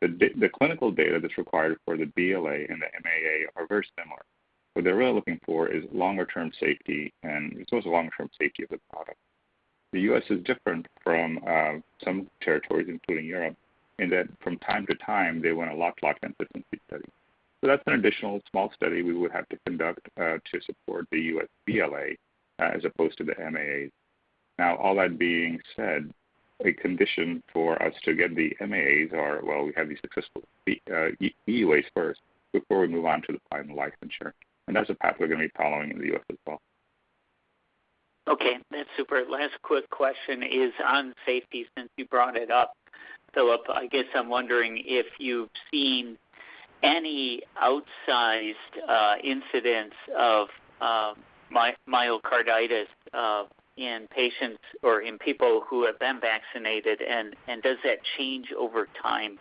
The clinical data that's required for the BLA and the MAA are very similar. What they're really looking for is longer-term safety and sort of longer-term safety of the product. The U.S. is different from some territories, including Europe, in that from time to time they want a lot-to-lot consistency study. That's an additional small study we would have to conduct to support the U.S. BLA as opposed to the MAA. Now all that being said, a condition for us to get the MAAs is while we have these successful EUA first before we move on to the final licensure. That's the path we're gonna be following in the U.S. as well. Okay, that's super. Last quick question is on safety, since you brought it up, Filip, I guess I'm wondering if you've seen any outsized incidents of myocarditis in patients or in people who have been vaccinated, and does that change over time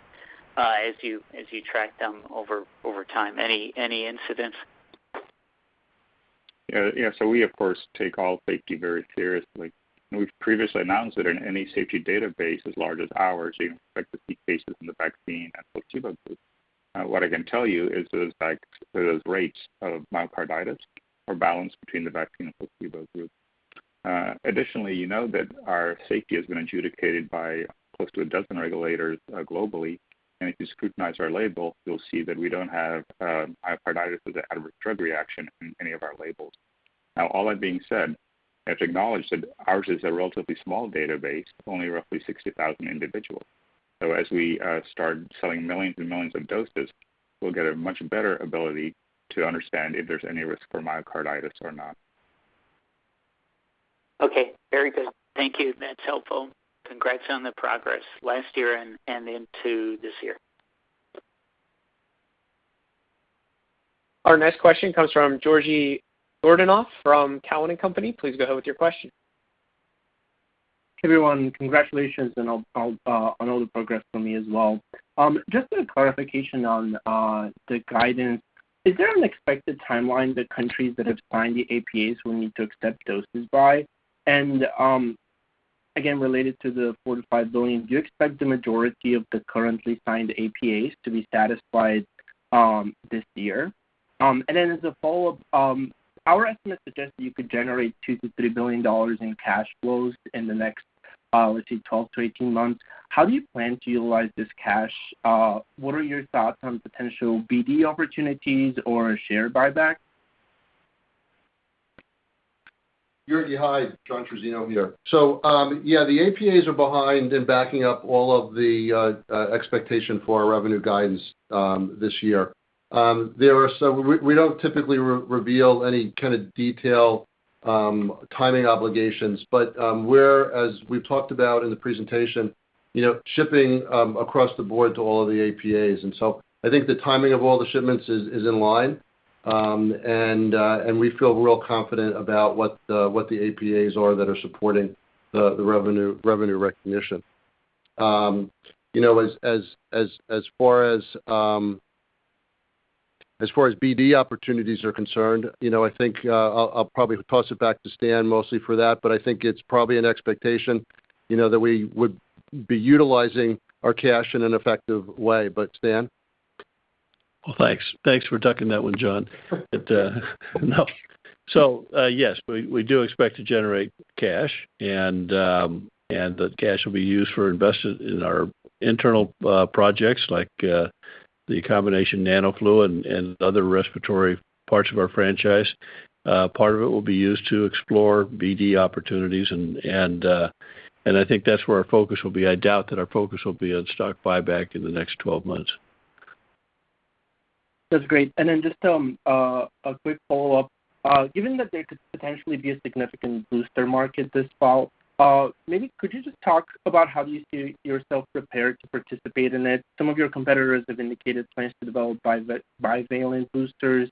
as you track them over time? Any incidents? Yeah, yeah. We of course take all safety very seriously. We've previously announced that in any safety database as large as ours, you expect to see cases in the vaccine and placebo group. What I can tell you is those rates of myocarditis are balanced between the vaccine and placebo group. Additionally, you know that our safety has been adjudicated by close to a dozen regulators globally. If you scrutinize our label, you'll see that we don't have myocarditis as an adverse drug reaction in any of our labels. Now all that being said, I have to acknowledge that ours is a relatively small database of only roughly 60,000 individuals. As we start selling millions and millions of doses, we'll get a much better ability to understand if there's any risk for myocarditis or not. Okay, very good. Thank you. That's helpful. Congrats on the progress last year and into this year. Our next question comes from Georgi Yordanov from Cowen and Company. Please go ahead with your question. Hey, everyone. Congratulations on all the progress from me as well. Just a clarification on the guidance. Is there an expected timeline that countries that have signed the APAs will need to accept doses by? Again, related to the $45 billion, do you expect the majority of the currently signed APAs to be satisfied this year? As a follow-up, our estimate suggests that you could generate $2 billion-$3 billion in cash flows in the next, let's say, 12-18 months. How do you plan to utilize this cash? What are your thoughts on potential BD opportunities or share buyback? Georgi, hi. John Trizzino here. Yeah, the APAs are behind in backing up all of the expectation for our revenue guidance this year. We don't typically reveal any kind of detail, timing obligations, but we're, as we've talked about in the presentation, you know, shipping across the board to all of the APAs. I think the timing of all the shipments is in line. We feel real confident about what the APAs are that are supporting the revenue recognition. You know, as far as BD opportunities are concerned, you know, I think I'll probably toss it back to Stan mostly for that, but I think it's probably an expectation, you know, that we would be utilizing our cash in an effective way. Stan? Well, thanks. Thanks for ducking that one, John. No. Yes, we do expect to generate cash and the cash will be used for invested in our internal projects like the combination NanoFlu and other respiratory parts of our franchise. Part of it will be used to explore BD opportunities and I think that's where our focus will be. I doubt that our focus will be on stock buyback in the next 12 months. That's great. Just a quick follow-up. Given that there could potentially be a significant booster market this fall, maybe could you just talk about how you see yourself prepared to participate in it? Some of your competitors have indicated plans to develop bivalent boosters.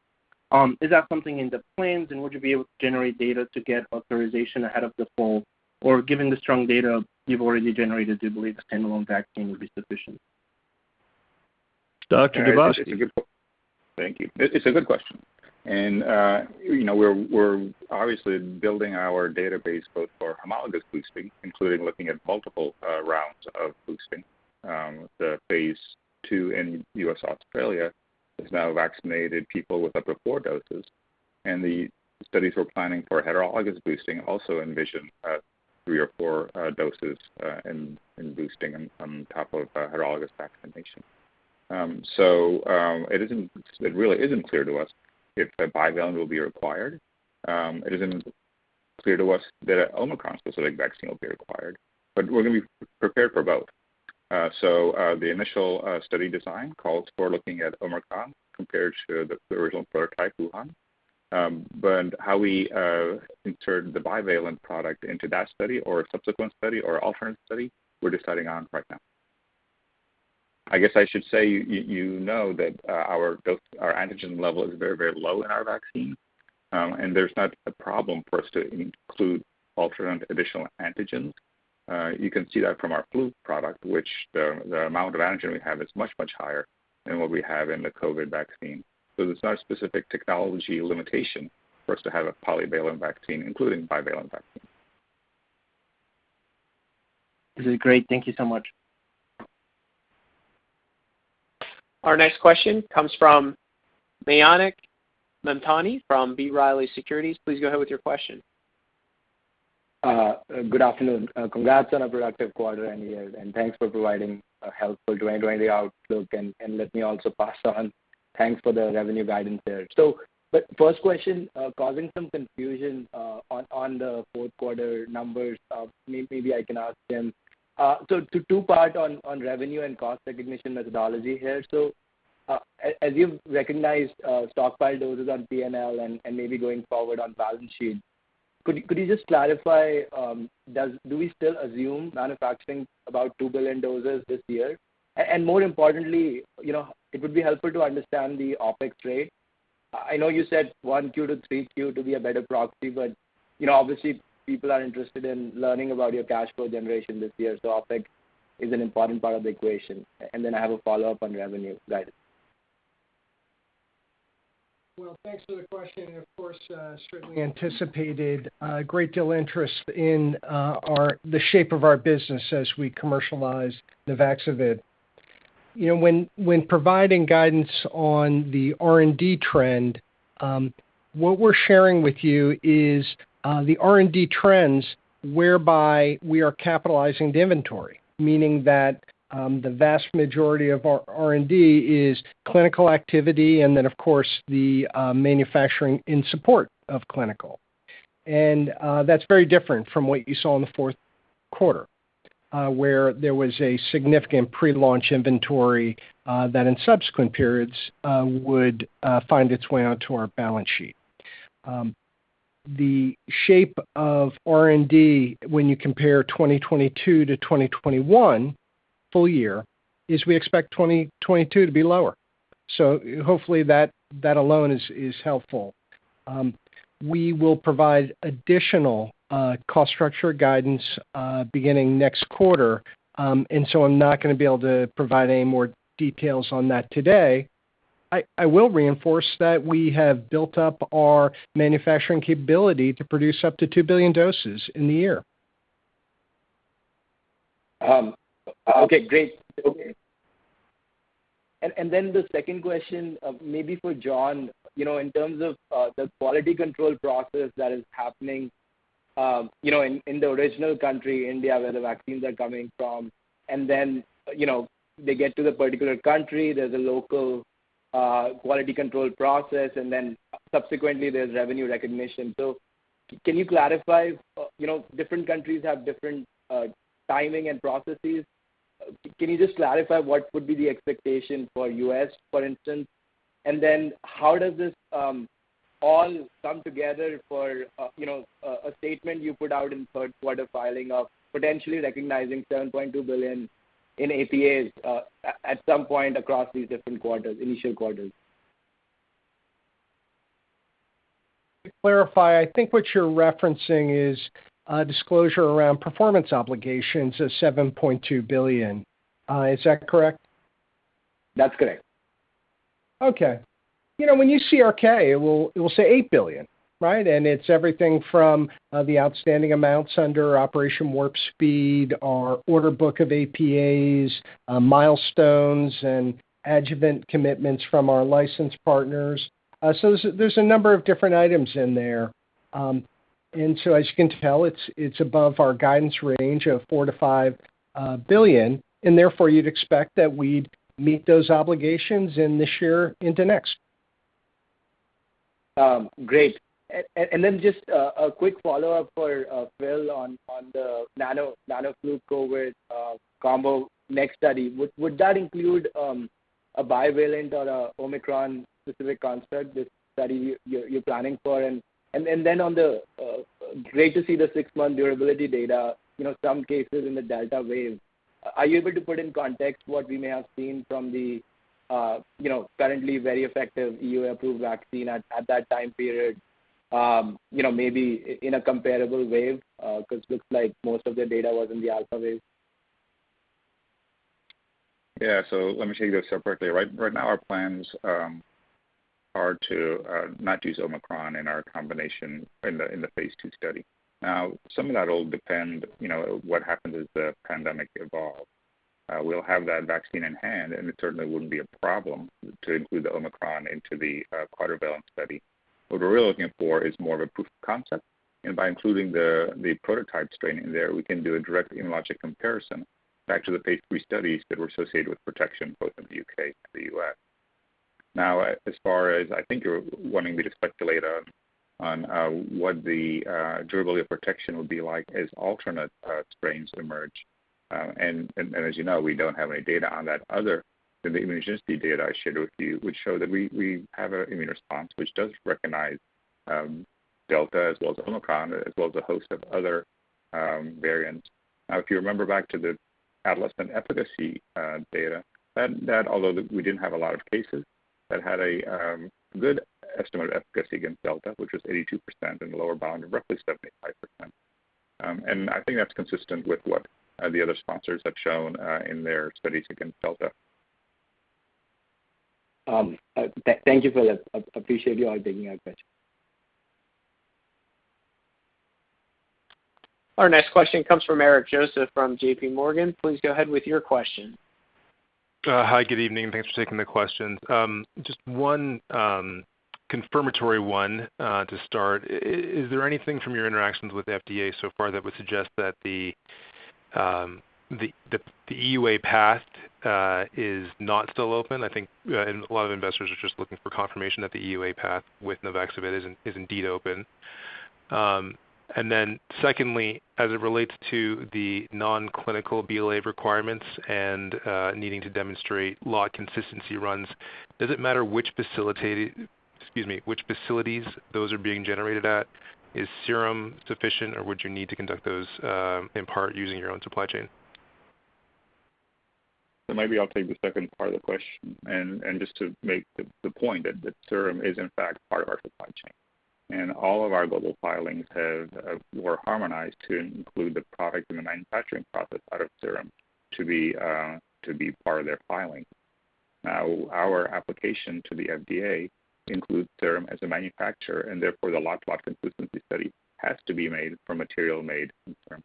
Is that something in the plans? Would you be able to generate data to get authorization ahead of the fall? Given the strong data you've already generated, do you believe the standalone vaccine will be sufficient? Dr. Dubovsky. It's a good question. You know, we're obviously building our database both for homologous boosting, including looking at multiple rounds of boosting. The phase II in U.S., Australia has now vaccinated people with up to four doses. The studies we're planning for heterologous boosting also envision three or four doses in boosting on top of a heterologous vaccination. It really isn't clear to us if the bivalent will be required. It isn't clear to us that an Omicron-specific vaccine will be required, but we're gonna be prepared for both. The initial study design calls for looking at Omicron compared to the original prototype, Wuhan. How we insert the bivalent product into that study or a subsequent study or alternate study, we're deciding on right now. I guess I should say, you know that our antigen level is very, very low in our vaccine, and there's not a problem for us to include alternate additional antigens. You can see that from our flu product, which, the amount of antigen we have is much, much higher than what we have in the COVID vaccine. There's no specific technology limitation for us to have a polyvalent vaccine, including bivalent vaccine. This is great. Thank you so much. Our next question comes from Mayank Mamtani from B. Riley Securities. Please go ahead with your question. Good afternoon. Congrats on a productive quarter, and thanks for providing a helpful joint outlook. Let me also pass on thanks for the revenue guidance there. The first question, causing some confusion on the fourth quarter numbers. Maybe I can ask them. Two-part on revenue and cost recognition methodology here. As you've recognized stockpile doses on P&L and maybe going forward on balance sheet, could you just clarify, do we still assume manufacturing about 2 billion doses this year? More importantly, you know, it would be helpful to understand the OpEx rate. I know you said 1Q to 3Q to be a better proxy, but, you know, obviously, people are interested in learning about your cash flow generation this year, so OpEx is an important part of the equation. I have a follow-up on revenue guidance. Well, thanks for the question, and of course, certainly anticipated a great deal of interest in the shape of our business as we commercialize the Nuvaxovid. You know, when providing guidance on the R&D trend, what we're sharing with you is the R&D trends whereby we are capitalizing the inventory, meaning that the vast majority of our R&D is clinical activity and then, of course, the manufacturing in support of clinical. That's very different from what you saw in the fourth quarter, where there was a significant pre-launch inventory that in subsequent periods would find its way onto our balance sheet. The shape of R&D when you compare 2022 to 2021 full year is we expect 2022 to be lower. Hopefully that alone is helpful. We will provide additional cost structure guidance beginning next quarter, and so I'm not gonna be able to provide any more details on that today. I will reinforce that we have built up our manufacturing capability to produce up to 2 billion doses in the year. Okay, great. Then the second question, maybe for John, you know, in terms of the quality control process that is happening, you know, in the original country, India, where the vaccines are coming from, and then, you know, they get to the particular country, there's a local quality control process, and then subsequently there's revenue recognition. Can you clarify, you know, different countries have different timing and processes. Can you just clarify what would be the expectation for U.S., for instance? Then how does this all come together for, you know, a statement you put out in third quarter filing of potentially recognizing $7.2 billion in APAs at some point across these different quarters, initial quarters? To clarify, I think what you're referencing is disclosure around performance obligations of $7.2 billion. Is that correct? That's correct. Okay. You know, when you see our K, it will say $8 billion, right? It's everything from the outstanding amounts under Operation Warp Speed, our order book of APAs, milestones, and adjuvant commitments from our license partners. There's a number of different items in there. As you can tell, it's above our guidance range of $4 billion-$5 billion, and therefore, you'd expect that we'd meet those obligations in this year into next. Great. Just a quick follow-up for Fil on the NanoFlu COVID combo next study. Would that include a bivalent or a Omicron-specific construct, this study you're planning for? Great to see the six-month durability data, you know, some cases in the Delta wave. Are you able to put in context what we may have seen from the currently very effective EU-approved vaccine at that time period, you know, maybe in a comparable wave? 'Cause looks like most of the data was in the Alpha wave. Yeah. Let me take this separately. Right now our plans are to not use Omicron in our combination in the phase II study. Now, some of that will depend, you know, what happens as the pandemic evolve. We'll have that vaccine in hand, and it certainly wouldn't be a problem to include the Omicron into the quadrivalent study. What we're really looking for is more of a proof of concept, and by including the prototype strain in there, we can do a direct immunologic comparison back to the phase III studies that were associated with protection both in the U.K. and the U.S. Now, as far as I think you're wanting me to speculate on what the durability of protection would be like as alternate strains emerge. As you know, we don't have any data on that other than the immunogenicity data I shared with you, which show that we have a immune response which does recognize Delta as well as Omicron, as well as a host of other variants. Now, if you remember back to the adolescent efficacy data, that although we didn't have a lot of cases, that had a good estimate of efficacy against Delta, which was 82% and a lower bound of roughly 75%. I think that's consistent with what the other sponsors have shown in their studies against Delta. Thank you, Filip. Appreciate you digging out that. Our next question comes from Eric Joseph from JPMorgan. Please go ahead with your question. Hi, good evening, and thanks for taking the questions. Just one confirmatory one to start. Is there anything from your interactions with FDA so far that would suggest that the EUA path is not still open? I think, and a lot of investors are just looking for confirmation that the EUA path with Nuvaxovid is indeed open. Secondly, as it relates to the non-clinical BLA requirements and needing to demonstrate lot consistency runs, does it matter which facilities those are being generated at? Is Serum sufficient, or would you need to conduct those in part using your own supply chain? Maybe I'll take the second part of the question. Just to make the point that Serum is in fact part of our supply chain. All of our global filings were harmonized to include the product and the manufacturing process out of Serum to be part of their filing. Now, our application to the FDA includes Serum as a manufacturer, and therefore the lot-to-lot consistency study has to be made from material made from Serum.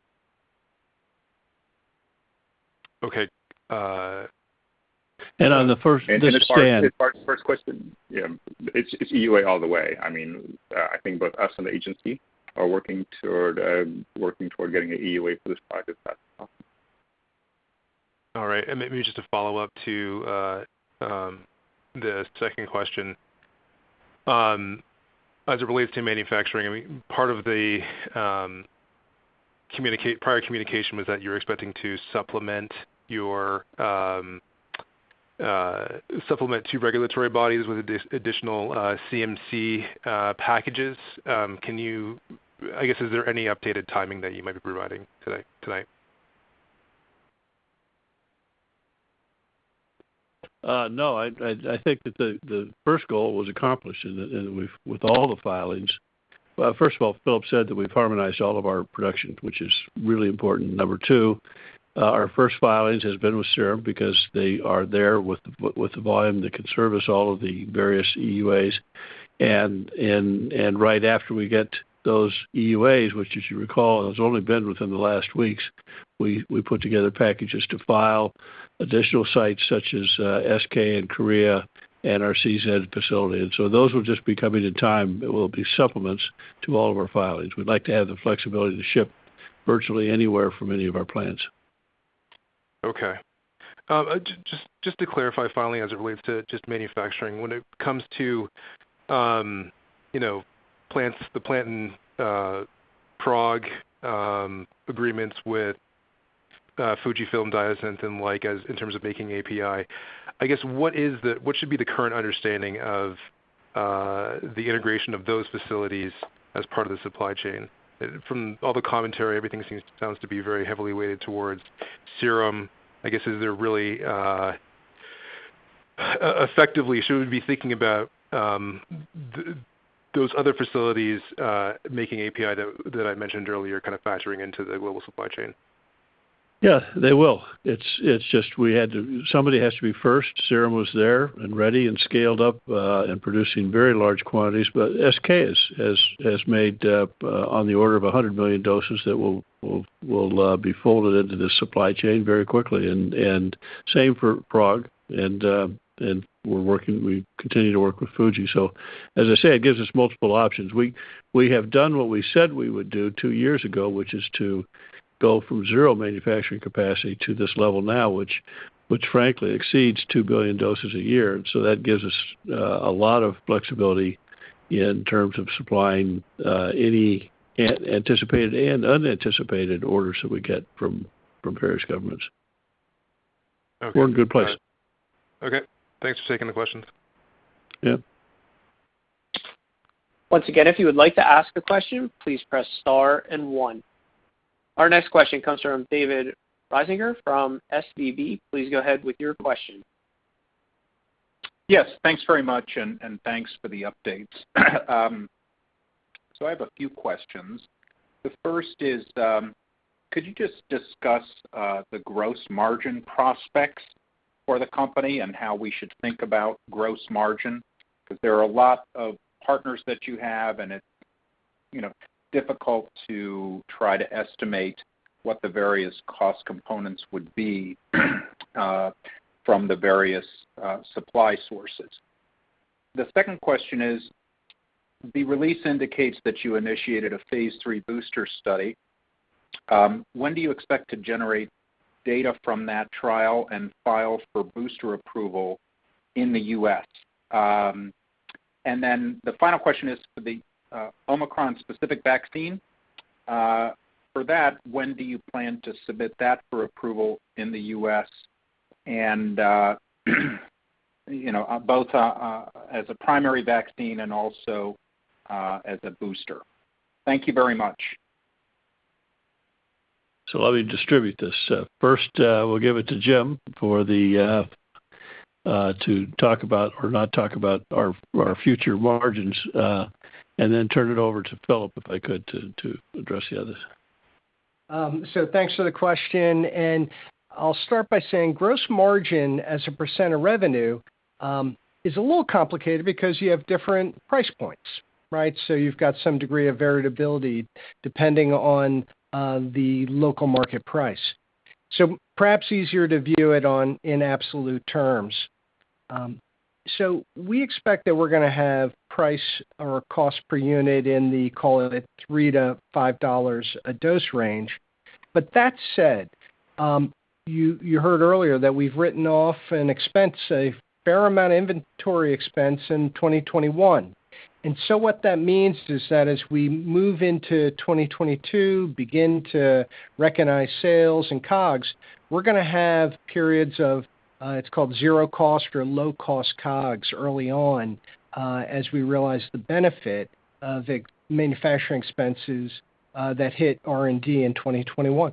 Okay. On the first The second- As far as the first question, yeah, it's EUA all the way. I mean, I think both us and the agency are working toward getting an EUA for this product as fast as possible. All right. Maybe just a follow-up to the second question. As it relates to manufacturing, I mean, part of the prior communication was that you're expecting to supplement your supplement to regulatory bodies with additional CMC packages. Can you. I guess, is there any updated timing that you might be providing today, tonight? No, I think that the first goal was accomplished with all the filings. First of all, Filip said that we've harmonized all of our production, which is really important. Number two, our first filings has been with Serum because they are there with the volume that can service all of the various EUAs. And right after we get those EUAs, which as you recall, has only been within the last weeks, we put together packages to file additional sites such as SK in Korea and our Czech facility. Those will just be coming in time. It will be supplements to all of our filings. We'd like to have the flexibility to ship virtually anywhere from any of our plants. Okay. Just to clarify finally as it relates to just manufacturing. When it comes to, you know, plants, the plant in Prague, agreements with Fujifilm Diosynth and like as in terms of making API, I guess, what should be the current understanding of the integration of those facilities as part of the supply chain? From all the commentary, everything seems. It sounds to be very heavily weighted towards Serum. I guess, effectively, should we be thinking about those other facilities making API that I mentioned earlier kind of factoring into the global supply chain? Yeah, they will. It's just we had to. Somebody has to be first. Serum was there and ready and scaled up and producing very large quantities. SK has made on the order of 100 million doses that will be folded into this supply chain very quickly. Same for Prague, and we're working, we continue to work with Fuji. As I say, it gives us multiple options. We have done what we said we would do two years ago, which is to go from zero manufacturing capacity to this level now, which frankly exceeds 2 billion doses a year. That gives us a lot of flexibility in terms of supplying any anticipated and unanticipated orders that we get from various governments. Okay. We're in a good place. Okay. Thanks for taking the questions. Yeah. Once again, if you would like to ask a question, please press star and one. Our next question comes from David Risinger from SVB. Please go ahead with your question. Yes, thanks very much, and thanks for the updates. I have a few questions. The first is, could you just discuss the gross margin prospects for the company and how we should think about gross margin? 'Cause there are a lot of partners that you have, and it's, you know, difficult to try to estimate what the various cost components would be from the various supply sources. The second question is, the release indicates that you initiated a phase III booster study. When do you expect to generate data from that trial and file for booster approval in the U.S.? And then the final question is for the Omicron specific vaccine. For that, when do you plan to submit that for approval in the U.S. and, you know, both as a primary vaccine and also as a booster? Thank you very much. Let me distribute this. First, we'll give it to Jim to talk about or not talk about our future margins, and then turn it over to Filip, if I could, to address the others. Thanks for the question, and I'll start by saying gross margin as a % of revenue is a little complicated because you have different price points, right? You've got some degree of variability depending on the local market price. Perhaps easier to view it in absolute terms. We expect that we're gonna have price or cost per unit in the, call it, $3-$5 a dose range. But that said, you heard earlier that we've written off an expense, a fair amount of inventory expense in 2021. What that means is that as we move into 2022, begin to recognize sales and COGS, we're gonna have periods of, it's called zero cost or low cost COGS early on, as we realize the benefit of the manufacturing expenses, that hit R&D in 2021.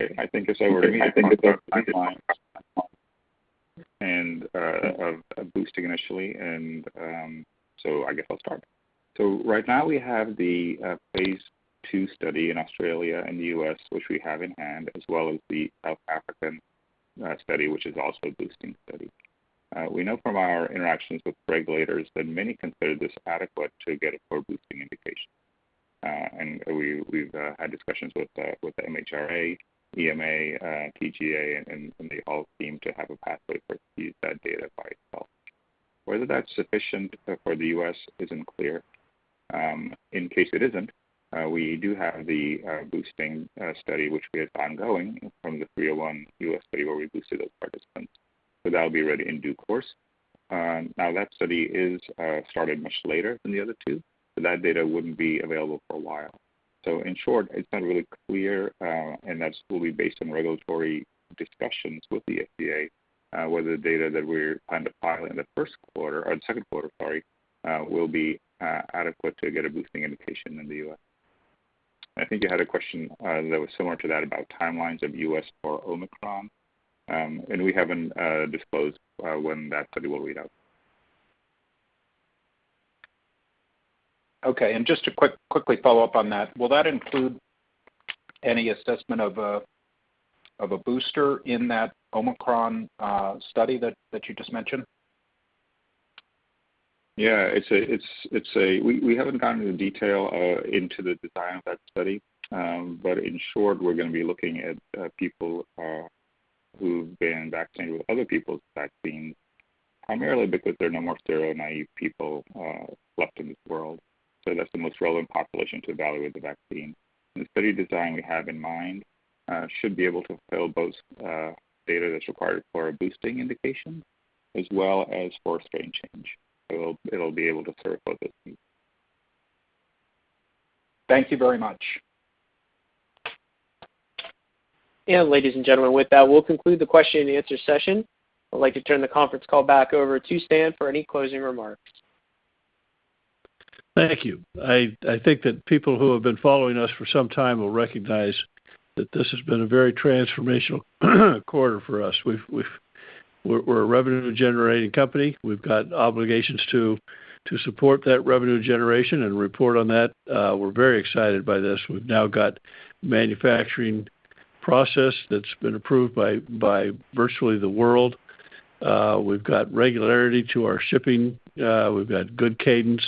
Okay. I think of boosting initially, I guess I'll start. Right now we have the phase II study in Australia and the U.S., which we have in hand, as well as the South African study, which is also a boosting study. We know from our interactions with regulators that many consider this adequate to get approval for boosting indication. We've had discussions with the MHRA, EMA, TGA, and they all seem to have a pathway for use that data by itself. Whether that's sufficient for the U.S. isn't clear. In case it isn't, we do have the boosting study, which we have ongoing from the 301 U.S. study where we boosted those participants. That'll be ready in due course. Now that study is starting much later than the other two, so that data wouldn't be available for a while. In short, it's not really clear, and that's fully based on regulatory discussions with the FDA, whether the data that we're planning to file in the first quarter or the second quarter, sorry, will be adequate to get a boosting indication in the U.S. I think you had a question that was similar to that about timelines in the U.S. for Omicron. We haven't disclosed when that study will read out. Okay. Just a quick follow-up on that. Will that include any assessment of a booster in that Omicron study that you just mentioned? We haven't gotten into detail into the design of that study. But in short, we're gonna be looking at people who've been vaccinated with other people's vaccines, primarily because there are no more seronaive people left in this world. That's the most relevant population to evaluate the vaccine. The study design we have in mind should be able to fulfill both data that's required for a boosting indication as well as for strain change. It'll be able to serve both of them. Thank you very much. Ladies and gentlemen, with that, we'll conclude the question and answer session. I'd like to turn the conference call back over to Stan for any closing remarks. Thank you. I think that people who have been following us for some time will recognize that this has been a very transformational quarter for us. We're a revenue-generating company. We've got obligations to support that revenue generation and report on that. We're very excited by this. We've now got manufacturing process that's been approved by virtually the world. We've got regularity to our shipping. We've got good cadence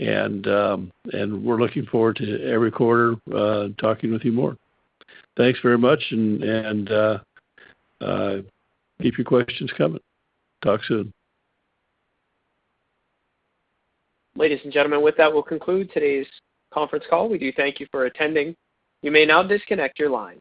and we're looking forward to every quarter talking with you more. Thanks very much and keep your questions coming. Talk soon. Ladies and gentlemen, with that, we'll conclude today's conference call. We do thank you for attending. You may now disconnect your line.